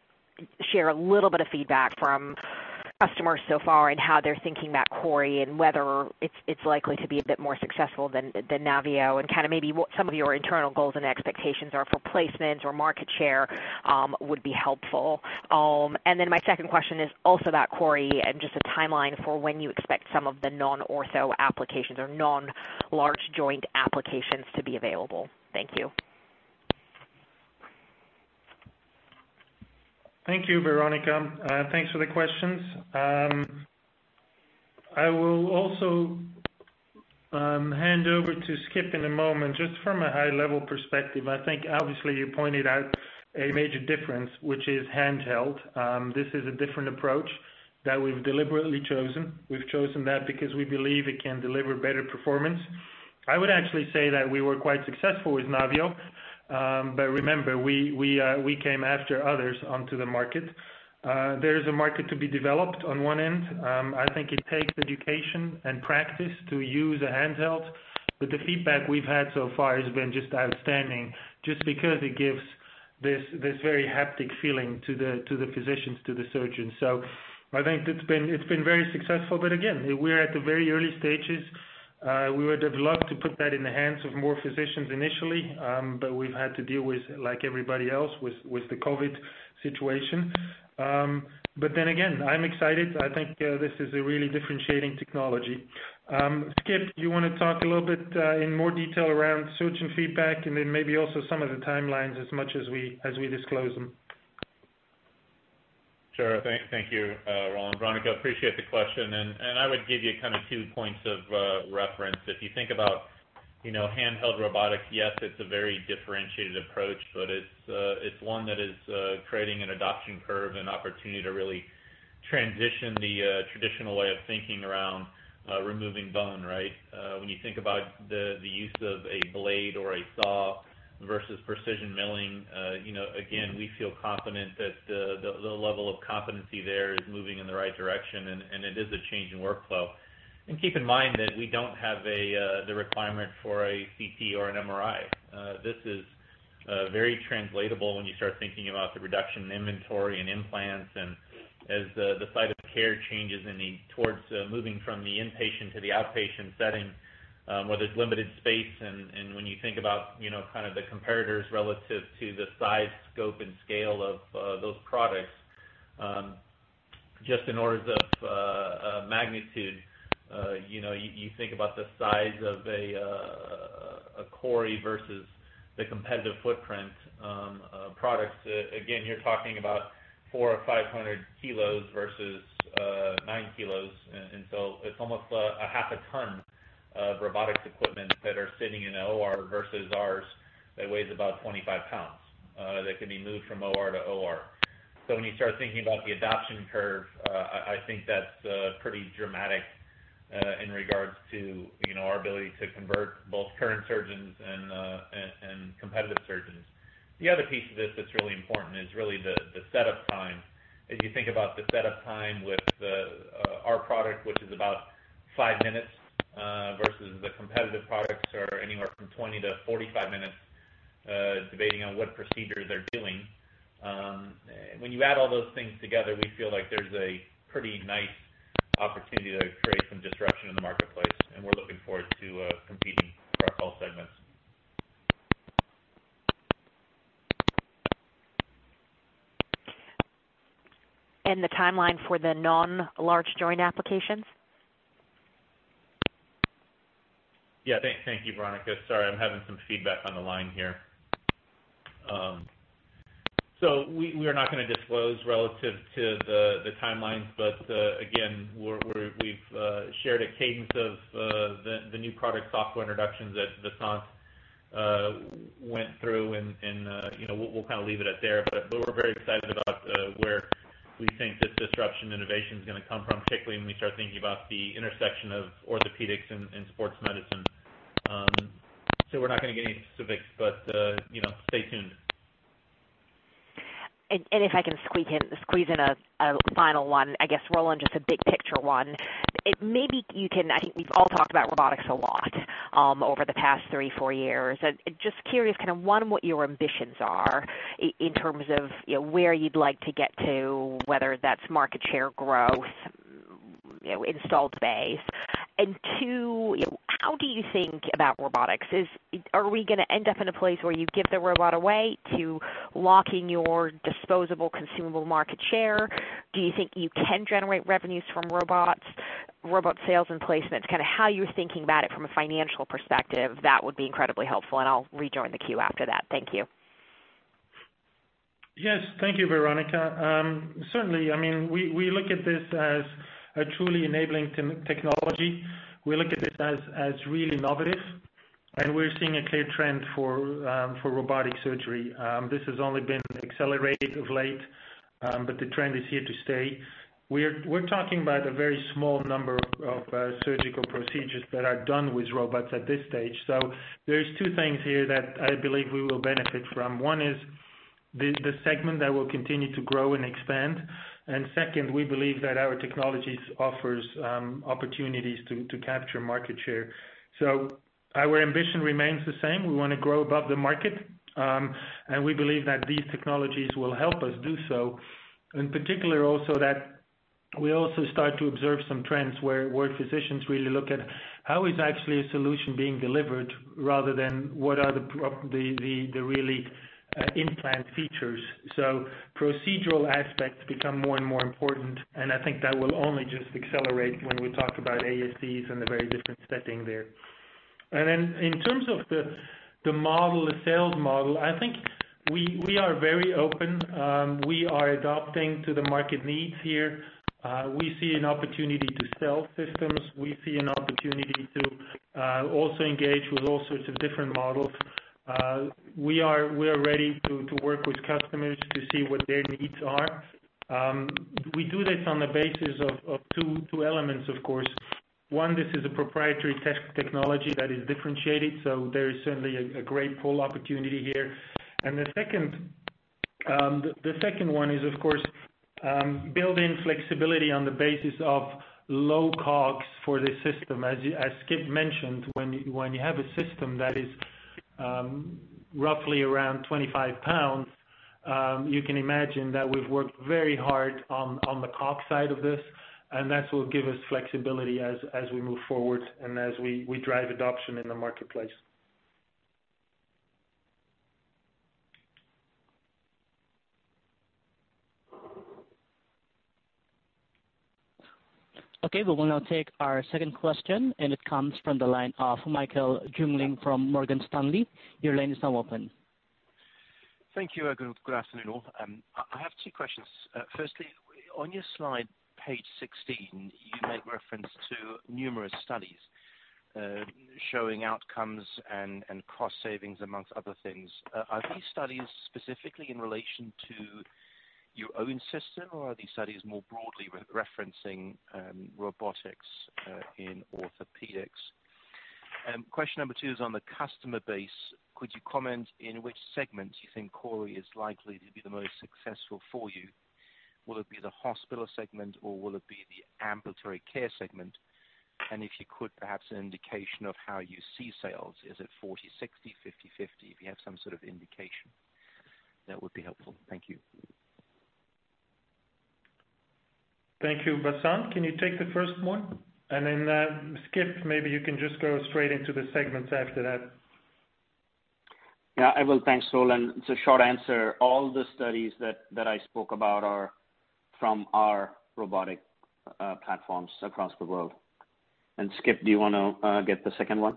share a little bit of feedback from customers so far and how they're thinking about CORI and whether it's likely to be a bit more successful than NAVIO and kind of maybe what some of your internal goals and expectations are for placements or market share would be helpful. My second question is also about CORI and just a timeline for when you expect some of the non-Ortho applications or non-large joint applications to be available. Thank you. Thank you, Veronika. Thanks for the questions. I will also hand over to Skip in a moment just from a high-level perspective. I think obviously you pointed out a major difference, which is handheld. This is a different approach that we've deliberately chosen. We've chosen that because we believe it can deliver better performance. I would actually say that we were quite successful with NAVIO. But remember, we came after others onto the market. There is a market to be developed on one end. I think it takes education and practice to use a handheld. But the feedback we've had so far has been just outstanding just because it gives this very haptic feeling to the physicians, to the surgeons. So I think it's been very successful. But again, we're at the very early stages. We were developed to put that in the hands of more physicians initially. But we've had to deal with, like everybody else, with the COVID situation. But then again, I'm excited. I think this is a really differentiating technology. Skip, you want to talk a little bit in more detail around surgeon feedback and then maybe also some of the timelines as much as we disclose them? Sure. Thank you, Roland. Veronika, appreciate the question, and I would give you kind of two points of reference. If you think about handheld robotics, yes, it's a very differentiated approach, but it's one that is creating an adoption curve and opportunity to really transition the traditional way of thinking around removing bone, right? When you think about the use of a blade or a saw versus precision milling, again, we feel confident that the level of competency there is moving in the right direction, and it is a change in workflow, and keep in mind that we don't have the requirement for a CT or an MRI. This is very translatable when you start thinking about the reduction in inventory and implants and as the site of care changes towards moving from the inpatient to the outpatient setting where there's limited space. And when you think about kind of the comparators relative to the size, scope, and scale of those products, just in orders of magnitude, you think about the size of a CORI versus the competitive footprint products. Again, you're talking about four or five hundred kg versus nine kg. And so it's almost a half a ton of robotics equipment that are sitting in an OR versus ours that weighs about 25 lbs that can be moved from OR to OR. So when you start thinking about the adoption curve, I think that's pretty dramatic in regards to our ability to convert both current surgeons and competitive surgeons. \The other piece of this that's really important is really the setup time. If you think about the setup time with our product, which is about five minutes versus the competitive products are anywhere from 20-45 minutes depending on what procedure they're doing. When you add all those things together, we feel like there's a pretty nice opportunity to create some disruption in the marketplace, and we're looking forward to competing for our call segments. And the timeline for the non-large joint applications? Yeah. Thank you, Veronika. Sorry, I'm having some feedback on the line here. So we are not going to disclose relative to the timelines. But again, we've shared a cadence of the new product software introductions that Vasant went through. And we'll kind of leave it at that. But we're very excited about where we think this disruption innovation is going to come from, particularly when we start thinking about the intersection of Orthopedics and Sports Medicine. So we're not going to get any specifics. But stay tuned. If I can squeeze in a final one, I guess, Roland, just a big picture one. Maybe you can. I think we've all talked about robotics a lot over the past three, four years. Just curious kind of one, what your ambitions are in terms of where you'd like to get to, whether that's market share growth, installed space. And two, how do you think about robotics? Are we going to end up in a place where you give the robot away to locking your disposable consumable market share? Do you think you can generate revenues from robots, robot sales and placements, kind of how you're thinking about it from a financial perspective? That would be incredibly helpful. And I'll rejoin the queue after that. Thank you. Yes. Thank you, Veronika. Certainly, I mean, we look at this as a truly Enabling Technology. We look at this as really innovative, and we're seeing a clear trend for robotic surgery. This has only been accelerated of late, but the trend is here to stay. We're talking about a very small number of surgical procedures that are done with robots at this stage. So there's two things here that I believe we will benefit from. One is the segment that will continue to grow and expand, and second, we believe that our technologies offer opportunities to capture market share. So our ambition remains the same. We want to grow above the market, and we believe that these technologies will help us do so. In particular, also that we also start to observe some trends where physicians really look at how is actually a solution being delivered rather than what are the really implant features, so procedural aspects become more and more important, and I think that will only just accelerate when we talk about ASCs and the very different setting there. Then in terms of the model, the sales model, I think we are very open. We are adapting to the market needs here. We see an opportunity to sell systems. We see an opportunity to also engage with all sorts of different models. We are ready to work with customers to see what their needs are. We do this on the basis of two elements, of course. One, this is a proprietary technology that is differentiated, so there is certainly a great pull opportunity here. And the second one is, of course, built-in flexibility on the basis of low cogs for the system. As Skip mentioned, when you have a system that is roughly around 25 pounds, you can imagine that we've worked very hard on the cogs side of this. And that will give us flexibility as we move forward and as we drive adoption in the marketplace. Okay. We will now take our second question. And it comes from the line of Michael Jungling from Morgan Stanley. Your line is now open. Thank you, Operator. Good afternoon. I have two questions. Firstly, on your slide, page 16, you make reference to numerous studies showing outcomes and cost savings among other things. Are these studies specifically in relation to your own system? Or are these studies more broadly referencing robotics in orthopedics? And question number two is on the customer base. Could you comment in which segment you think CORI is likely to be the most successful for you? Will it be the hospital segment? Or will it be the ambulatory care segment? And if you could, perhaps an indication of how you see sales. Is it 40%/60%, 50%/50%? If you have some sort of indication, that would be helpful. Thank you. Thank you, Vasant. Can you take the first one, and then Skip, maybe you can just go straight into the segments after that. Yeah. I will. Thanks, Roland. It's a short answer. All the studies that I spoke about are from our robotic platforms across the world. And Skip, do you want to get the second one?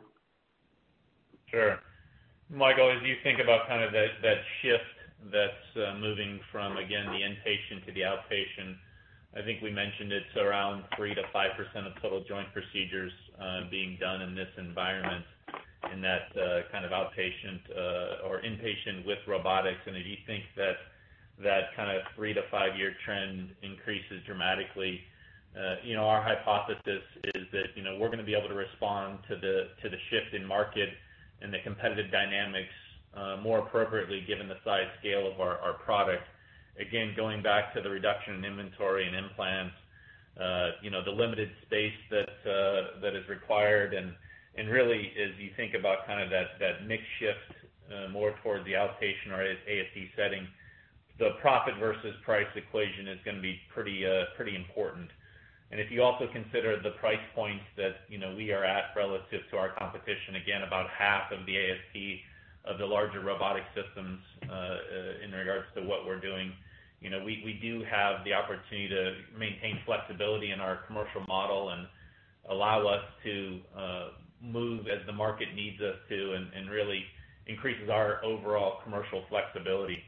Sure. Michael, as you think about kind of that shift that's moving from, again, the inpatient to the outpatient, I think we mentioned it's around 3%-5% of total joint procedures being done in this environment in that kind of outpatient or inpatient with robotics. And if you think that that kind of three- to five-year trend increases dramatically, our hypothesis is that we're going to be able to respond to the shift in market and the competitive dynamics more appropriately given the size scale of our product. Again, going back to the reduction in inventory and implants, the limited space that is required. Really, as you think about kind of that mix shift more towards the outpatient or ASC setting, the profit-versus-price equation is going to be pretty important. If you also consider the price points that we are at relative to our competition, again, about half the cost of the larger robotic systems in regards to what we're doing, we do have the opportunity to maintain flexibility in our commercial model and allow us to move as the market needs us to and really increase our overall commercial flexibility.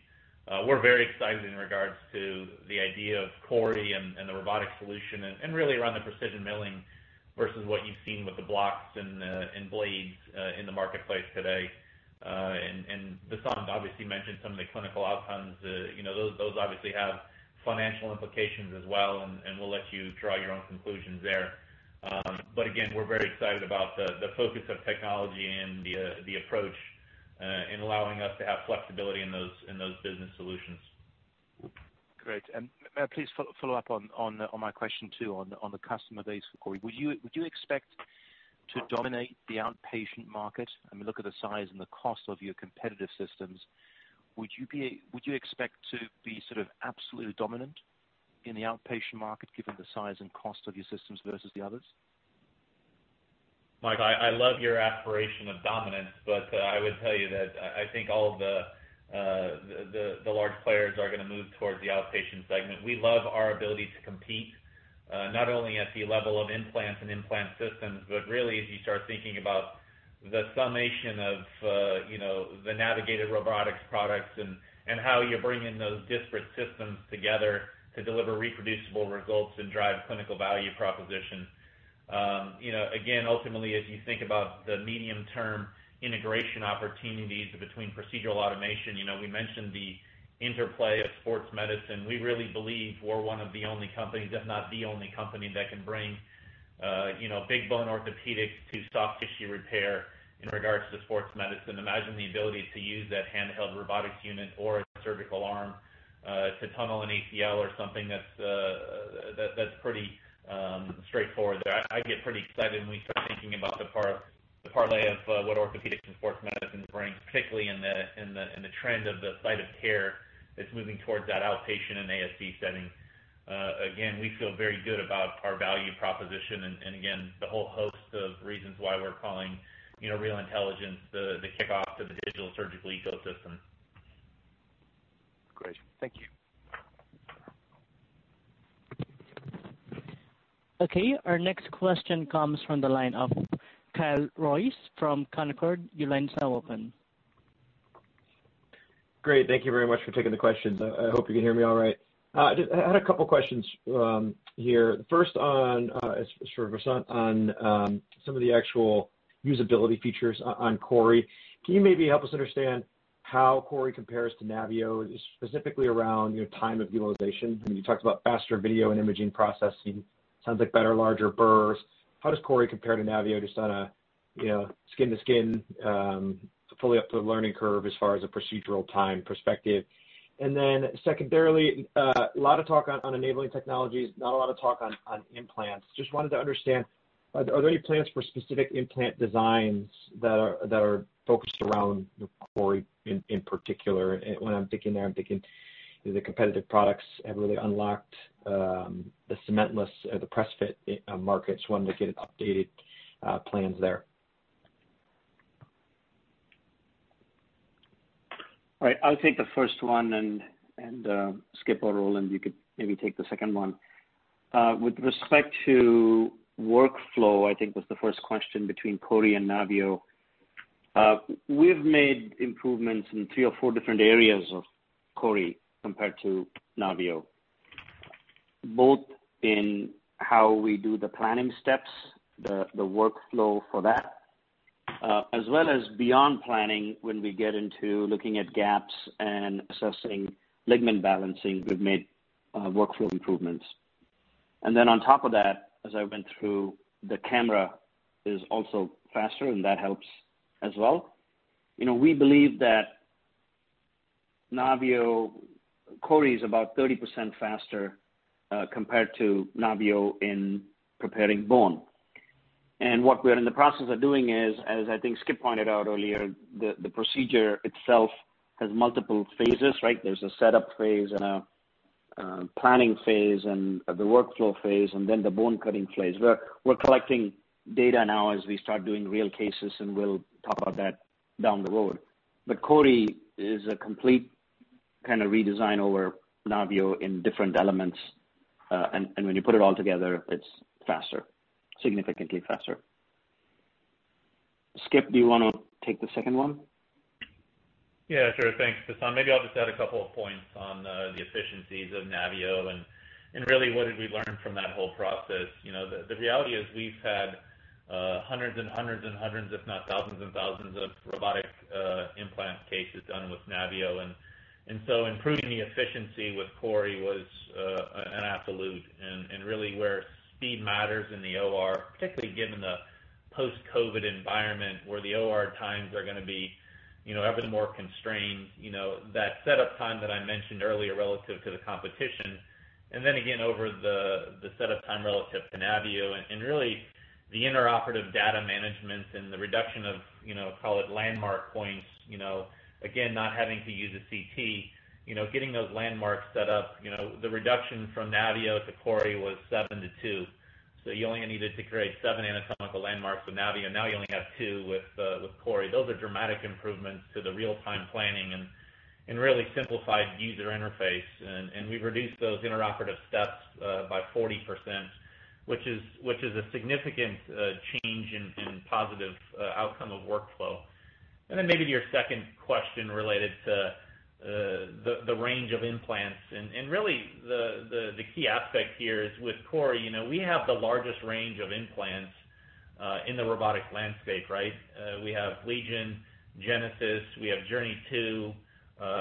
We're very excited in regards to the idea of CORI and the robotic solution and really around the precision milling versus what you've seen with the blocks and blades in the marketplace today. Vasant obviously mentioned some of the clinical outcomes. Those obviously have financial implications as well. We'll let you draw your own conclusions there. But again, we're very excited about the focus of technology and the approach in allowing us to have flexibility in those business solutions. Great, and please follow up on my question too on the customer base for CORI. Would you expect to dominate the outpatient market? I mean, look at the size and the cost of your competitive systems. Would you expect to be sort of absolutely dominant in the outpatient market given the size and cost of your systems versus the others? Mike, I love your aspiration of dominance. But I would tell you that I think all the large players are going to move towards the outpatient segment. We love our ability to compete not only at the level of implants and implant systems, but really as you start thinking about the summation of the Navigator robotics products and how you're bringing those disparate systems together to deliver reproducible results and drive clinical value proposition. Again, ultimately, as you think about the medium-term integration opportunities between procedural automation, we mentioned the interplay of sports medicine. We really believe we're one of the only companies, if not the only company, that can bring big bone orthopedics to soft tissue repair in regards to sports medicine. Imagine the ability to use that handheld robotics unit or a surgical arm to tunnel an ACL or something that's pretty straightforward. I get pretty excited when we start thinking about the parlay of what orthopedics and sports medicine brings, particularly in the trend of the site of care that's moving towards that outpatient and ASC setting. Again, we feel very good about our value proposition, and again, the whole host of reasons why we're calling Real Intelligence the kickoff to the digital surgical ecosystem. Great. Thank you. Okay. Our next question comes from the line of Kyle Rose from Canaccord Genuity. Your line is now open. Great. Thank you very much for taking the question. I hope you can hear me all right. I had a couple of questions here. First, sort of Vasant, on some of the actual usability features on CORI. Can you maybe help us understand how CORI compares to NAVIO, specifically around time of utilization? I mean, you talked about faster video and imaging processing. Sounds like better, larger burrs. How does CORI compare to NAVIO just on a skin-to-skin, fully up to the learning curve as far as a procedural time perspective? And then secondarily, a lot of talk on Enabling Technologies, not a lot of talk on implants. Just wanted to understand, are there any plans for specific implant designs that are focused around CORI in particular? When I'm thinking there, I'm thinking the competitive products have really unlocked the cementless or the press-fit markets. Wanted to get updated plans there. All right. I'll take the first one. And Skip or Roland, you could maybe take the second one. With respect to workflow, I think the first question between CORI and NAVIO. We've made improvements in three or four different areas of CORI compared to NAVIO, both in how we do the planning steps, the workflow for that, as well as beyond planning when we get into looking at gaps and assessing ligament balancing. We've made workflow improvements, and then on top of that, as I went through, the camera is also faster and that helps as well. We believe that CORI is about 30% faster compared to NAVIO in preparing bone. And what we're in the process of doing is, as I think Skip pointed out earlier, the procedure itself has multiple phases, right? There's a setup phase and a planning phase and the workflow phase then the bone cutting phase. We're collecting data now as we start doing real cases. We'll talk about that down the road. CORI is a complete kind of redesign over NAVIO in different elements. When you put it all together, it's faster, significantly faster. Skip, do you want to take the second one? Yeah. Sure. Thanks, Vasant. Maybe I'll just add a couple of points on the efficiencies of NAVIO and really what did we learn from that whole process. The reality is we've had hundreds and hundreds and hundreds, if not thousands and thousands of robotic implant cases done with NAVIO. And so improving the efficiency with CORI was an absolute. And really where speed matters in the OR, particularly given the post-COVID environment where the OR times are going to be ever more constrained, that setup time that I mentioned earlier relative to the competition, and then again over the setup time relative to NAVIO, and really the intraoperative data management and the reduction of, call it, landmark points, again, not having to use a CT, getting those landmarks set up. The reduction from NAVIO to CORI was 7 to 2. You only needed to create seven anatomical landmarks with NAVIO. Now you only have two with CORI. Those are dramatic improvements to the real-time planning and really simplified user interface. We have reduced those intraoperative steps by 40%, which is a significant change and positive outcome of workflow. Your second question related to the range of implants. Really the key aspect here is with CORI, we have the largest range of implants in the robotic landscape, right? We have LEGION, GENESIS II. We have JOURNEY II.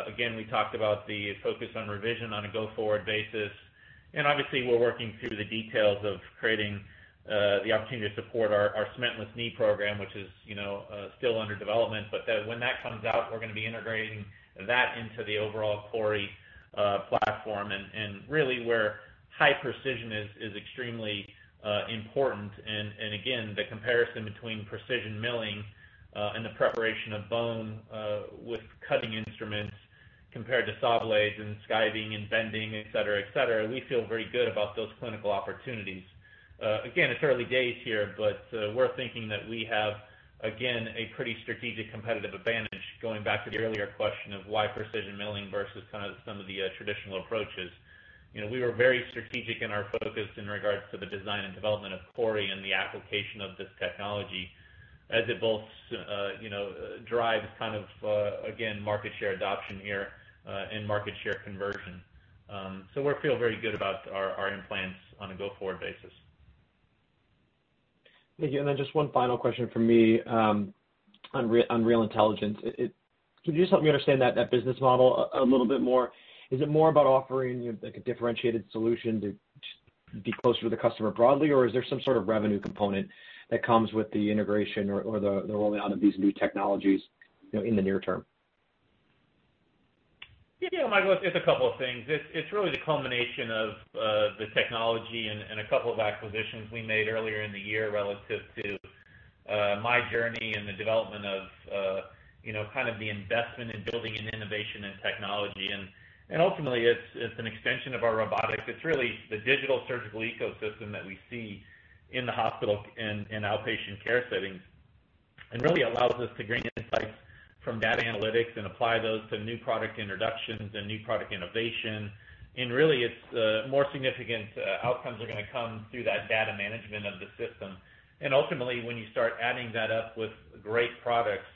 Again, we talked about the focus on revision on a go-forward basis. Obviously, we are working through the details of creating the opportunity to support our cementless knee program, which is still under development. But when that comes out, we are going to be integrating that into the overall CORI platform. Really where high precision is extremely important. And again, the comparison between precision milling and the preparation of bone with cutting instruments compared to saw blades and skiving and bending, etc., etc. We feel very good about those clinical opportunities. Again, it's early days here. But we're thinking that we have, again, a pretty strategic competitive advantage going back to the earlier question of why precision milling versus kind of some of the traditional approaches. We were very strategic in our focus in regards to the design and development of CORI and the application of this technology as it both drives kind of, again, market share adoption here and market share conversion. So we feel very good about our implants on a go-forward basis. Thank you, and then just one final question from me on Real Intelligence. Could you just help me understand that business model a little bit more? Is it more about offering a differentiated solution to be closer to the customer broadly? Or is there some sort of revenue component that comes with the integration or the rollout of these new technologies in the near term? Yeah. Michael, it's a couple of things. It's really the culmination of the technology and a couple of acquisitions we made earlier in the year relative to JOURNEY and the development of kind of the investment in building an innovation in technology. And ultimately, it's an extension of our robotics. It's really the digital surgical ecosystem that we see in the hospital and outpatient care settings and really allows us to gain insights from data analytics and apply those to new product introductions and new product innovation. And really, it's more significant outcomes are going to come through that data management of the system. And ultimately, when you start adding that up with great products,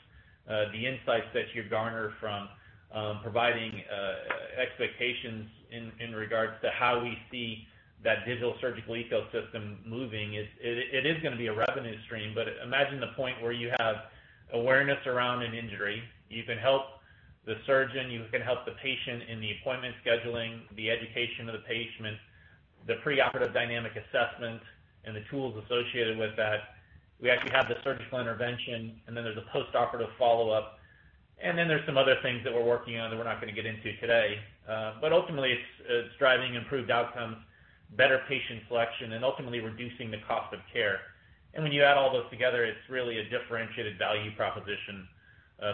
the insights that you garner from providing expectations in regards to how we see that digital surgical ecosystem moving, it is going to be a revenue stream. But imagine the point where you have awareness around an injury. You can help the surgeon. You can help the patient in the appointment scheduling, the education of the patient, the preoperative dynamic assessment, and the tools associated with that. We actually have the surgical intervention. And then there's a postoperative follow-up. And then there's some other things that we're working on that we're not going to get into today. But ultimately, it's driving improved outcomes, better patient selection, and ultimately reducing the cost of care. And when you add all those together, it's really a differentiated value proposition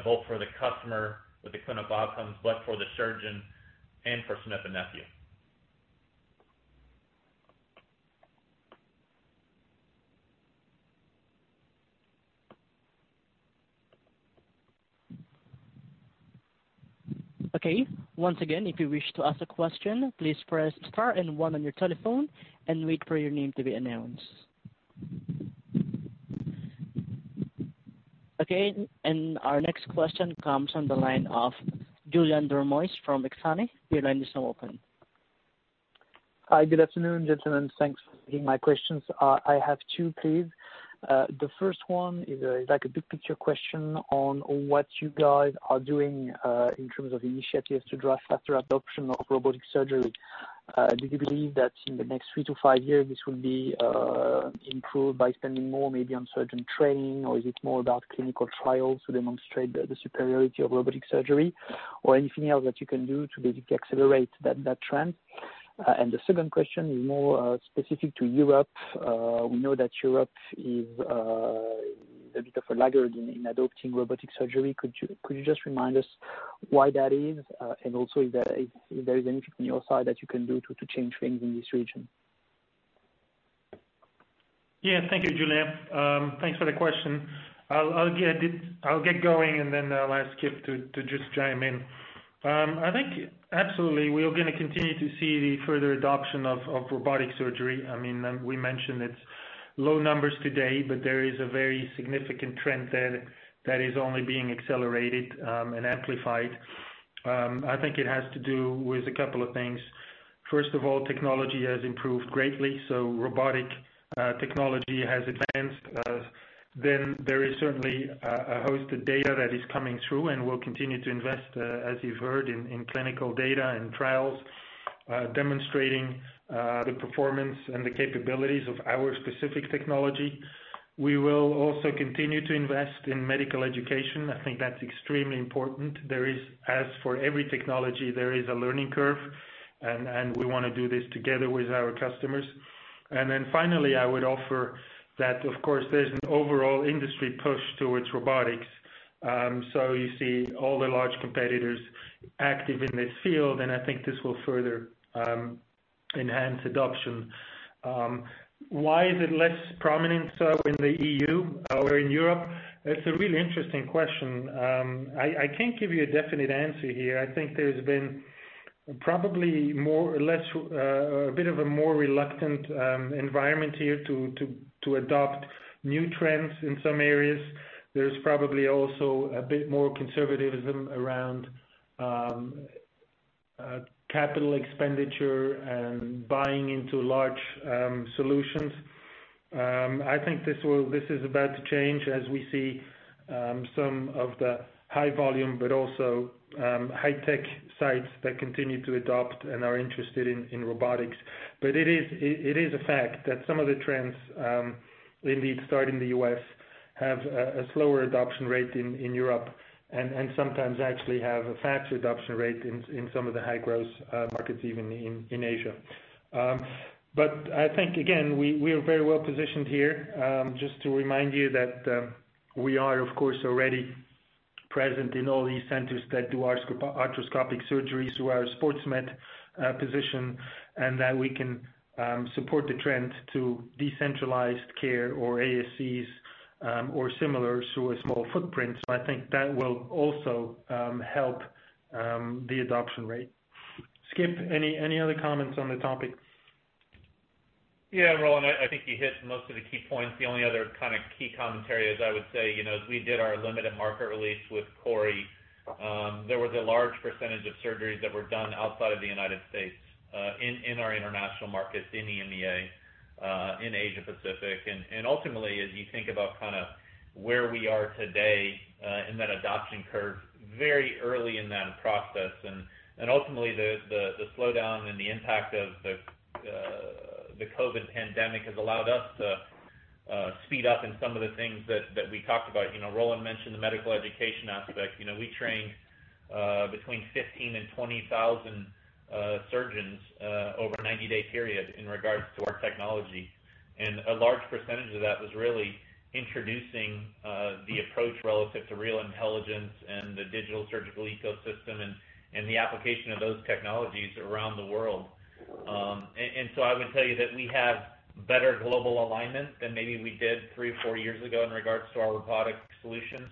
both for the customer with the clinical outcomes but for the surgeon and for Smith & Nephew. Okay. Once again, if you wish to ask a question, please press star and one on your telephone and wait for your name to be announced. Okay. And our next question comes from the line of Julien Dormois from Exane. Your line is now open. Hi. Good afternoon, gentlemen. Thanks for taking my questions. I have two, please. The first one is like a big-picture question on what you guys are doing in terms of initiatives to drive faster adoption of robotic surgery. Do you believe that in the next three to five years, this will be improved by spending more maybe on surgeon training? Or is it more about clinical trials to demonstrate the superiority of robotic surgery? Or anything else that you can do to basically accelerate that trend? And the second question is more specific to Europe. We know that Europe is a bit of a laggard in adopting robotic surgery. Could you just remind us why that is? And also, if there is anything on your side that you can do to change things in this region? Yeah. Thank you, Julien. Thanks for the question. I'll get going, and then I'll ask Skip to just chime in. I think absolutely, we are going to continue to see the further adoption of robotic surgery. I mean, we mentioned it's low numbers today, but there is a very significant trend there that is only being accelerated and amplified. I think it has to do with a couple of things. First of all, technology has improved greatly. So robotic technology has advanced. Then there is certainly a host of data that is coming through. And we'll continue to invest, as you've heard, in clinical data and trials demonstrating the performance and the capabilities of our specific technology. We will also continue to invest in medical education. I think that's extremely important. As for every technology, there is a learning curve. And we want to do this together with our customers. Finally, I would offer that, of course, there's an overall industry push towards robotics. So you see all the large competitors active in this field. I think this will further enhance adoption. Why is it less prominent in the EU or in Europe? That's a really interesting question. I can't give you a definite answer here. I think there's been probably a bit of a more reluctant environment here to adopt new trends in some areas. There's probably also a bit more conservatism around capital expenditure and buying into large solutions. I think this is about to change as we see some of the high volume but also high-tech sites that continue to adopt and are interested in robotics. But it is a fact that some of the trends, indeed, starting in the U.S., have a slower adoption rate in Europe and sometimes actually have a faster adoption rate in some of the high-growth markets, even in Asia. But I think, again, we are very well positioned here. Just to remind you that we are, of course, already present in all these centers that do arthroscopic surgery through our SportsMed position and that we can support the trend to decentralized care or ASCs or similar through a small footprint. So I think that will also help the adoption rate. Skip, any other comments on the topic? Yeah. Roland, I think you hit most of the key points. The only other kind of key commentary is I would say, as we did our limited market release with CORI, there was a large percentage of surgeries that were done outside of the United States in our international markets, in EMEA, in Asia-Pacific. And ultimately, as you think about kind of where we are today in that adoption curve, very early in that process and ultimately, the slowdown and the impact of the COVID pandemic has allowed us to speed up in some of the things that we talked about. Roland mentioned the medical education aspect. We trained between 15, 000 and 20,000 surgeons over a 90-day period in regards to our technology. A large percentage of that was really introducing the approach relative to Real Intelligence and the digital surgical ecosystem and the application of those technologies around the world. So I would tell you that we have better global alignment than maybe we did three or four years ago in regards to our robotic solutions.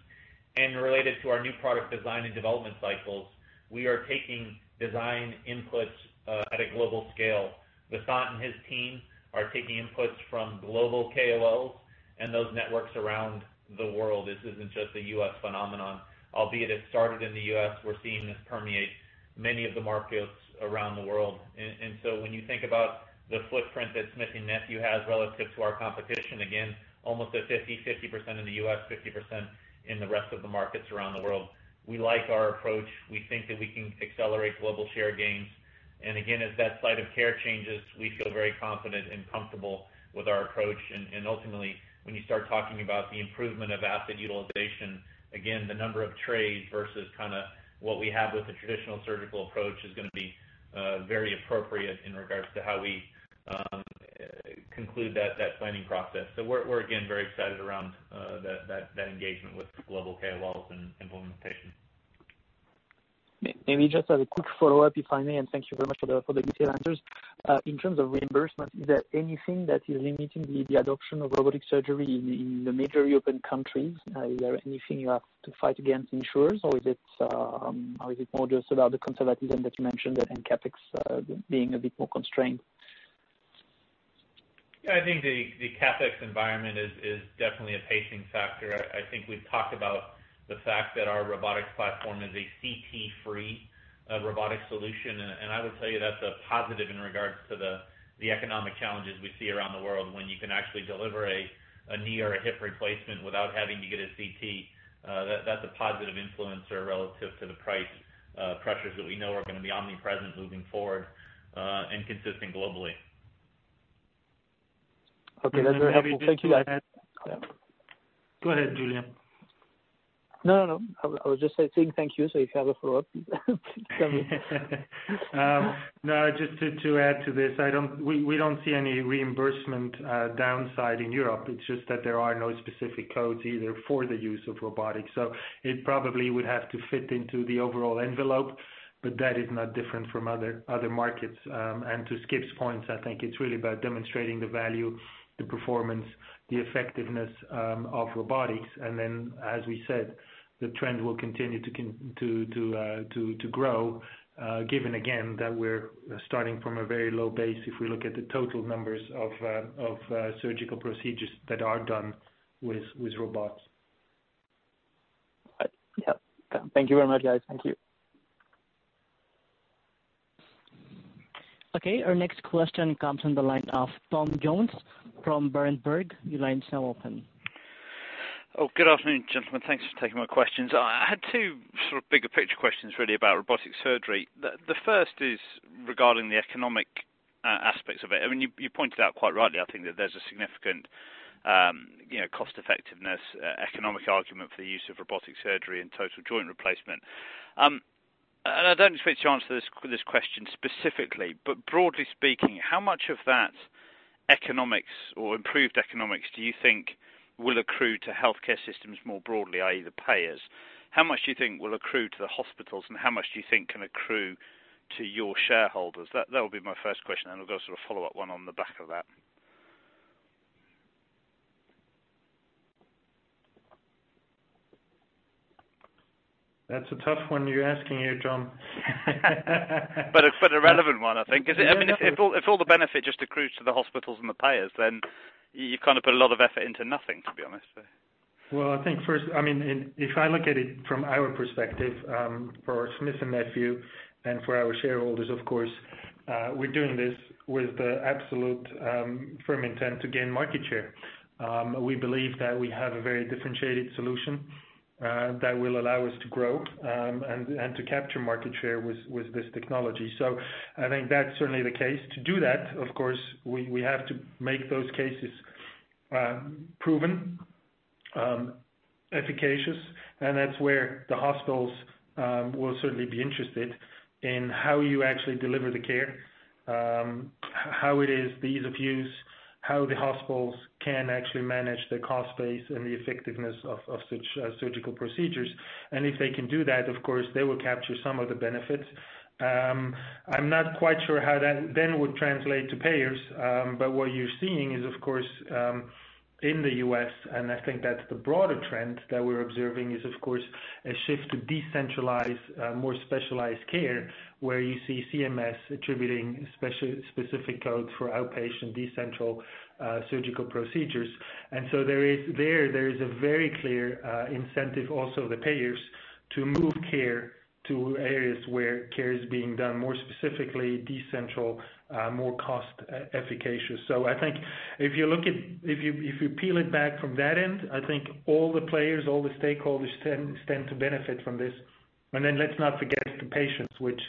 Related to our new product design and development cycles, we are taking design inputs at a global scale. Vasant and his team are taking inputs from global KOLs and those networks around the world. This isn't just a U.S. phenomenon. Albeit it started in the U.S., we're seeing this permeate many of the markets around the world. And so when you think about the footprint that Smith & Nephew has relative to our competition, again, almost a 50% in the U.S., 50% in the rest of the markets around the world, we like our approach. We think that we can accelerate global share gains. And again, as that site of care changes, we feel very confident and comfortable with our approach. And ultimately, when you start talking about the improvement of asset utilization, again, the number of trays versus kind of what we have with the traditional surgical approach is going to be very appropriate in regards to how we conclude that planning process. So we're, again, very excited around that engagement with global KOLs and implementation. Maybe just as a quick follow-up, if I may, and thank you very much for the detailed answers. In terms of reimbursement, is there anything that is limiting the adoption of robotic surgery in the major European countries? Is there anything you have to fight against insurers? Or is it more just about the conservatism that you mentioned, that CapEx being a bit more constrained? I think the CapEx environment is definitely a pacing factor. I think we've talked about the fact that our robotics platform is a CT-free robotic solution, and I would tell you that's a positive in regards to the economic challenges we see around the world when you can actually deliver a knee or a hip replacement without having to get a CT. That's a positive influencer relative to the price pressures that we know are going to be omnipresent moving forward and consistent globally. Okay. That's very helpful. Thank you. Go ahead, Julien. No, no, no. I was just saying thank you. So if you have a follow-up, please tell me. No. Just to add to this, we don't see any reimbursement downside in Europe. It's just that there are no specific codes either for the use of robotics. So it probably would have to fit into the overall envelope. But that is not different from other markets. And to Skip's points, I think it's really about demonstrating the value, the performance, the effectiveness of robotics. And then, as we said, the trend will continue to grow given, again, that we're starting from a very low base if we look at the total numbers of surgical procedures that are done with robots. Yeah. Thank you very much, guys. Thank you. Okay. Our next question comes from the line of Tom Jones from Berenberg. Your line is now open. Oh, good afternoon, gentlemen. Thanks for taking my questions. I had two sort of bigger-picture questions, really, about robotic surgery. The first is regarding the economic aspects of it. I mean, you pointed out quite rightly, I think, that there's a significant cost-effectiveness economic argument for the use of robotic surgery and total joint replacement. And I don't expect you to answer this question specifically. But broadly speaking, how much of that economics or improved economics do you think will accrue to healthcare systems more broadly, i.e., the payers? How much do you think will accrue to the hospitals? And how much do you think can accrue to your shareholders? That will be my first question. And I've got a sort of follow-up one on the back of that. That's a tough one you're asking here, Tom. But a relevant one, I think. Because, I mean, if all the benefit just accrues to the hospitals and the payers, then you've kind of put a lot of effort into nothing, to be honest. I think first, I mean, if I look at it from our perspective for Smith & Nephew and for our shareholders, of course, we're doing this with the absolute firm intent to gain market share. We believe that we have a very differentiated solution that will allow us to grow and to capture market share with this technology. So I think that's certainly the case. To do that, of course, we have to make those cases proven, efficacious. And that's where the hospitals will certainly be interested in how you actually deliver the care, how it is, the ease of use, how the hospitals can actually manage the cost base and the effectiveness of such surgical procedures. And if they can do that, of course, they will capture some of the benefits. I'm not quite sure how that then would translate to payers. What you're seeing is, of course, in the U.S., and I think that's the broader trend that we're observing, is, of course, a shift to decentralized, more specialized care where you see CMS attributing specific codes for outpatient decentralized surgical procedures. And so there, there is a very clear incentive also of the payers to move care to areas where care is being done more specifically, decentralized, more cost-efficacious. So I think if you look at it, if you peel it back from that end, I think all the players, all the stakeholders tend to benefit from this. And then let's not forget the patients, which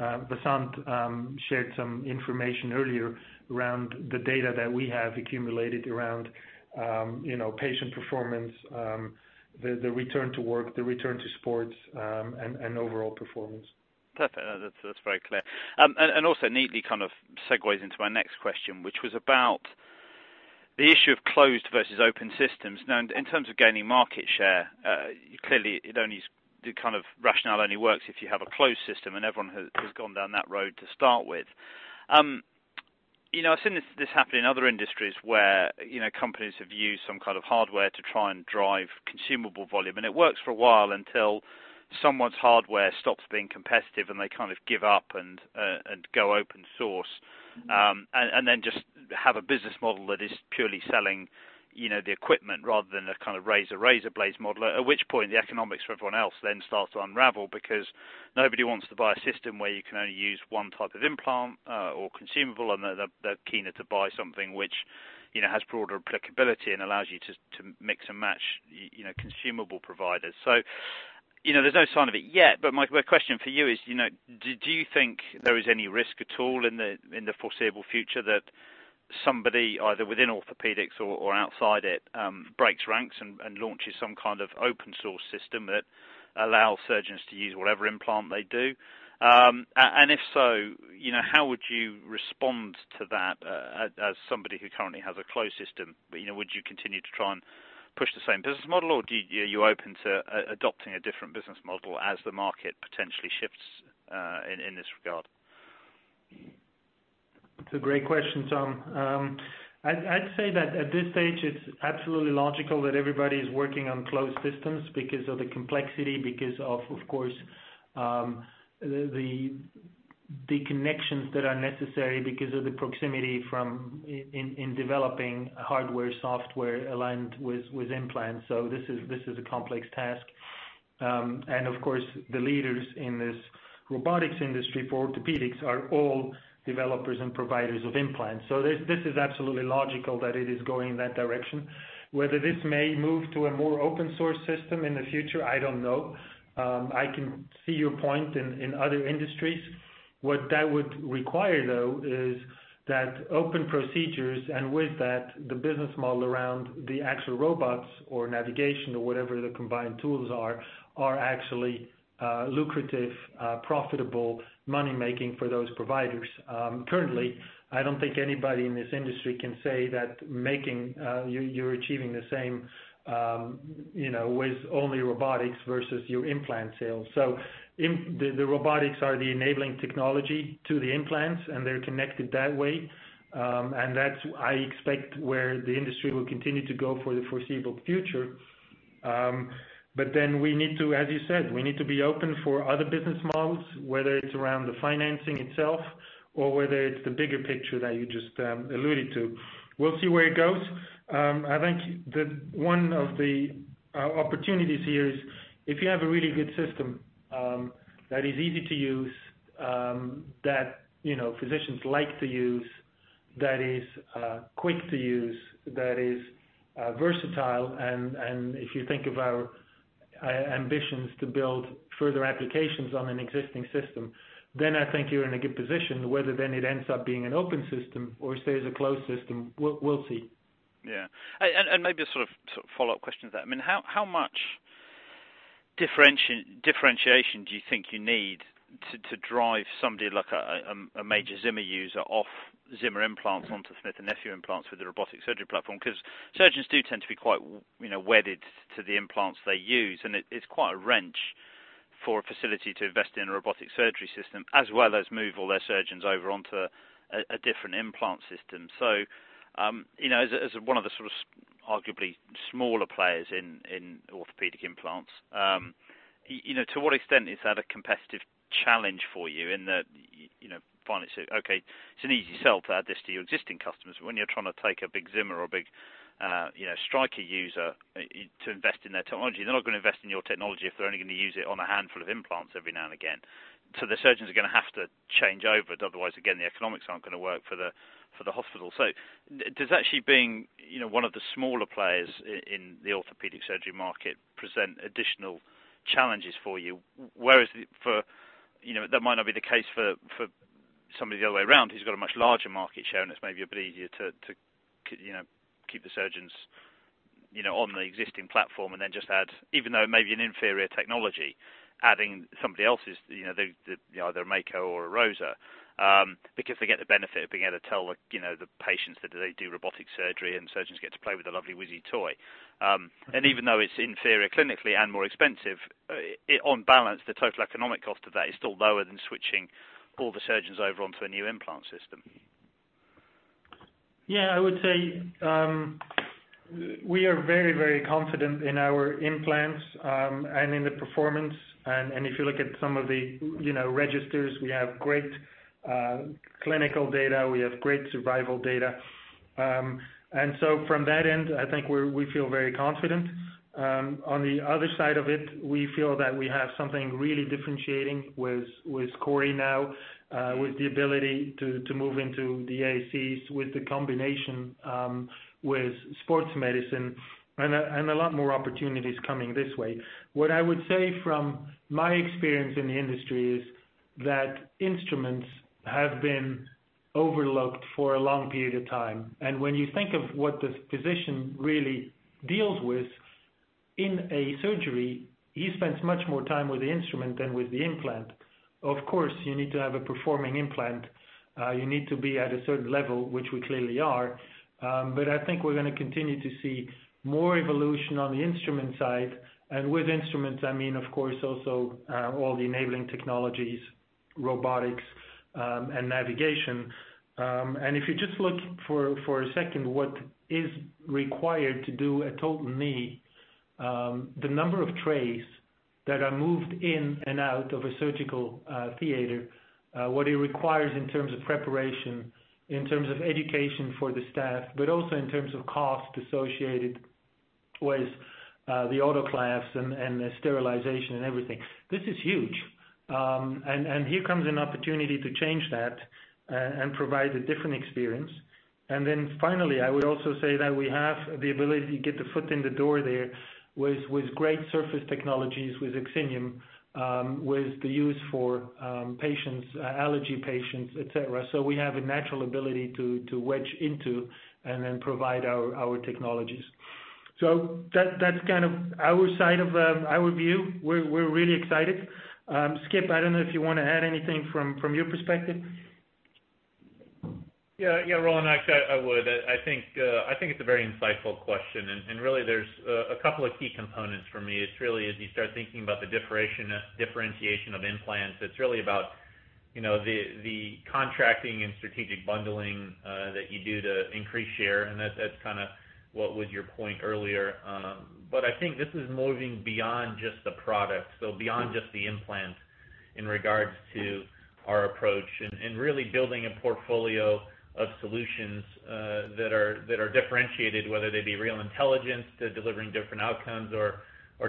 Vasant shared some information earlier around the data that we have accumulated around patient performance, the return to work, the return to sports, and overall performance. Perfect. That's very clear. And also neatly kind of segues into my next question, which was about the issue of closed versus open systems. Now, in terms of gaining market share, clearly, the kind of rationale only works if you have a closed system and everyone has gone down that road to start with. I've seen this happen in other industries where companies have used some kind of hardware to try and drive consumable volume. And it works for a while until someone's hardware stops being competitive and they kind of give up and go open source and then just have a business model that is purely selling the equipment rather than a kind of razor-blade model, at which point the economics for everyone else then starts to unravel because nobody wants to buy a system where you can only use one type of implant or consumable. They're keener to buy something which has broader applicability and allows you to mix and match consumable providers. So there's no sign of it yet. But my question for you is, do you think there is any risk at all in the foreseeable future that somebody, either within orthopedics or outside it, breaks ranks and launches some kind of open-source system that allows surgeons to use whatever implant they do? And if so, how would you respond to that as somebody who currently has a closed system? Would you continue to try and push the same business model? Or are you open to adopting a different business model as the market potentially shifts in this regard? It's a great question, Tom. I'd say that at this stage, it's absolutely logical that everybody is working on closed systems because of the complexity, because of, of course, the connections that are necessary because of the proximity in developing hardware/software aligned with implants. So this is a complex task, and of course, the leaders in this robotics industry for orthopedics are all developers and providers of implants, so this is absolutely logical that it is going in that direction. Whether this may move to a more open-source system in the future, I don't know. I can see your point in other industries. What that would require, though, is that open procedures and with that, the business model around the actual robots or navigation or whatever the combined tools are are actually lucrative, profitable, money-making for those providers. Currently, I don't think anybody in this industry can say that you're achieving the same with only robotics versus your implant sales. So the robotics are the Enabling Technology to the implants, and they're connected that way. And that's, I expect, where the industry will continue to go for the foreseeable future. But then we need to, as you said, we need to be open for other business models, whether it's around the financing itself or whether it's the bigger picture that you just alluded to. We'll see where it goes. I think one of the opportunities here is if you have a really good system that is easy to use, that physicians like to use, that is quick to use, that is versatile. And if you think of our ambitions to build further applications on an existing system, then I think you're in a good position. Whether, then, it ends up being an open system or stays a closed system, we'll see. Yeah. And maybe a sort of follow-up question to that. I mean, how much differentiation do you think you need to drive somebody like a major Zimmer user off Zimmer implants onto Smith & Nephew implants with the robotic surgery platform? Because surgeons do tend to be quite wedded to the implants they use. And it's quite a wrench for a facility to invest in a robotic surgery system as well as move all their surgeons over onto a different implant system. So as one of the sort of arguably smaller players in orthopedic implants, to what extent is that a competitive challenge for you in that franchise? Okay. It's an easy sell to add this to your existing customers. But when you're trying to take a big Zimmer or a big Stryker user to invest in their technology, they're not going to invest in your technology if they're only going to use it on a handful of implants every now and again. So the surgeons are going to have to change over. Otherwise, again, the economics aren't going to work for the hospital. So does actually being one of the smaller players in the orthopedic surgery market present additional challenges for you? Whereas that might not be the case for somebody the other way around who's got a much larger market share, and it's maybe a bit easier to keep the surgeons on the existing platform and then just add, even though maybe an inferior technology, adding somebody else's, either a Mako or a ROSA because they get the benefit of being able to tell the patients that they do robotic surgery and surgeons get to play with the lovely whizzy toy. And even though it's inferior clinically and more expensive, on balance, the total economic cost of that is still lower than switching all the surgeons over onto a new implant system. Yeah. I would say we are very, very confident in our implants and in the performance. And if you look at some of the registers, we have great clinical data. We have great survival data. And so from that end, I think we feel very confident. On the other side of it, we feel that we have something really differentiating with CORI now, with the ability to move into the ASCs with the combination with sports medicine and a lot more opportunities coming this way. What I would say from my experience in the industry is that instruments have been overlooked for a long period of time. And when you think of what the physician really deals with in a surgery, he spends much more time with the instrument than with the implant. Of course, you need to have a performing implant. You need to be at a certain level, which we clearly are. But I think we're going to continue to see more evolution on the instrument side. And with instruments, I mean, of course, also all the Enabling Technologies, robotics, and navigation. And if you just look for a second what is required to do a total knee, the number of trays that are moved in and out of a surgical theater, what it requires in terms of preparation, in terms of education for the staff, but also in terms of cost associated with the autoclaves and the sterilization and everything. This is huge. And here comes an opportunity to change that and provide a different experience. And then finally, I would also say that we have the ability to get the foot in the door there with great surface technologies with OXINIUM, with the use for patients, allergy patients, etc. So we have a natural ability to wedge into and then provide our technologies. So that's kind of our side of our view. We're really excited. Skip, I don't know if you want to add anything from your perspective. Yeah. Yeah, Roland, I would. I think it's a very insightful question. And really, there's a couple of key components for me. It's really, as you start thinking about the differentiation of implants, it's really about the contracting and strategic bundling that you do to increase share. And that's kind of what was your point earlier. But I think this is moving beyond just the product, so beyond just the implant in regards to our approach and really building a portfolio of solutions that are differentiated, whether they be Real Intelligence to delivering different outcomes or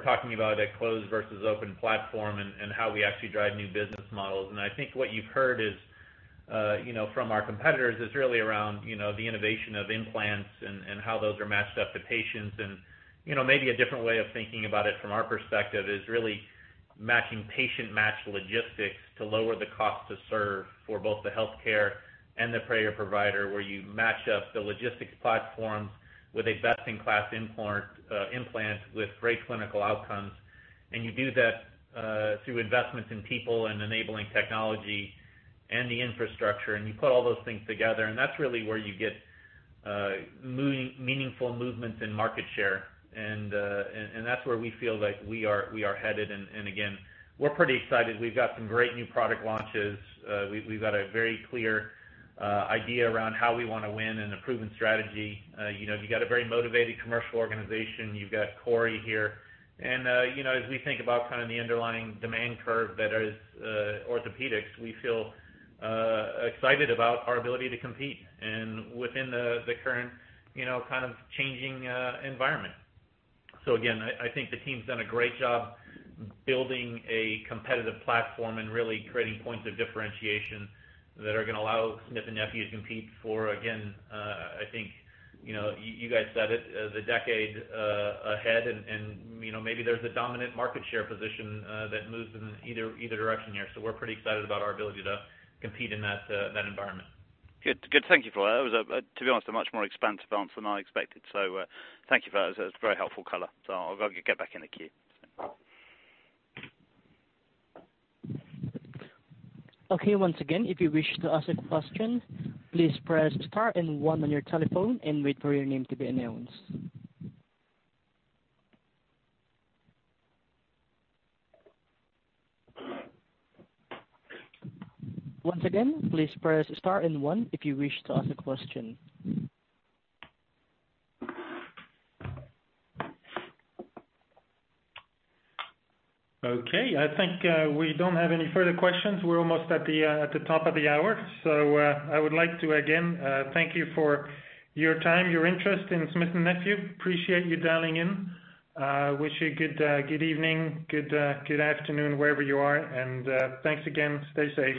talking about a closed versus open platform and how we actually drive new business models. And I think what you've heard from our competitors is really around the innovation of implants and how those are matched up to patients. And maybe a different way of thinking about it from our perspective is really matching patient-matched logistics to lower the cost to serve for both the payer and the provider, where you match up the logistics platforms with a best-in-class implant with great clinical outcomes. And you do that through investments in people and Enabling Technology and the infrastructure. And you put all those things together. And that's really where you get meaningful movements in market share. And that's where we feel like we are headed. And again, we're pretty excited. We've got some great new product launches. We've got a very clear idea around how we want to win and a proven strategy. You've got a very motivated commercial organization. You've got CORI here. And as we think about kind of the underlying demand curve that is orthopedics, we feel excited about our ability to compete within the current kind of changing environment. So again, I think the team's done a great job building a competitive platform and really creating points of differentiation that are going to allow Smith & Nephew to compete for, again, I think you guys said it, the decade ahead. And maybe there's a dominant market share position that moves in either direction here. So we're pretty excited about our ability to compete in that environment. Good. Good. Thank you for that. That was, to be honest, a much more expansive answer than I expected. So thank you for that. That was a very helpful color. So I'll get back in the queue. Okay. Once again, if you wish to ask a question, please press star and one on your telephone and wait for your name to be announced. Once again, please press star and one if you wish to ask a question. Okay. I think we don't have any further questions. We're almost at the top of the hour so I would like to, again, thank you for your time, your interest in Smith & Nephew. Appreciate you dialing in. Wish you a good evening, good afternoon, wherever you are and thanks again. Stay safe.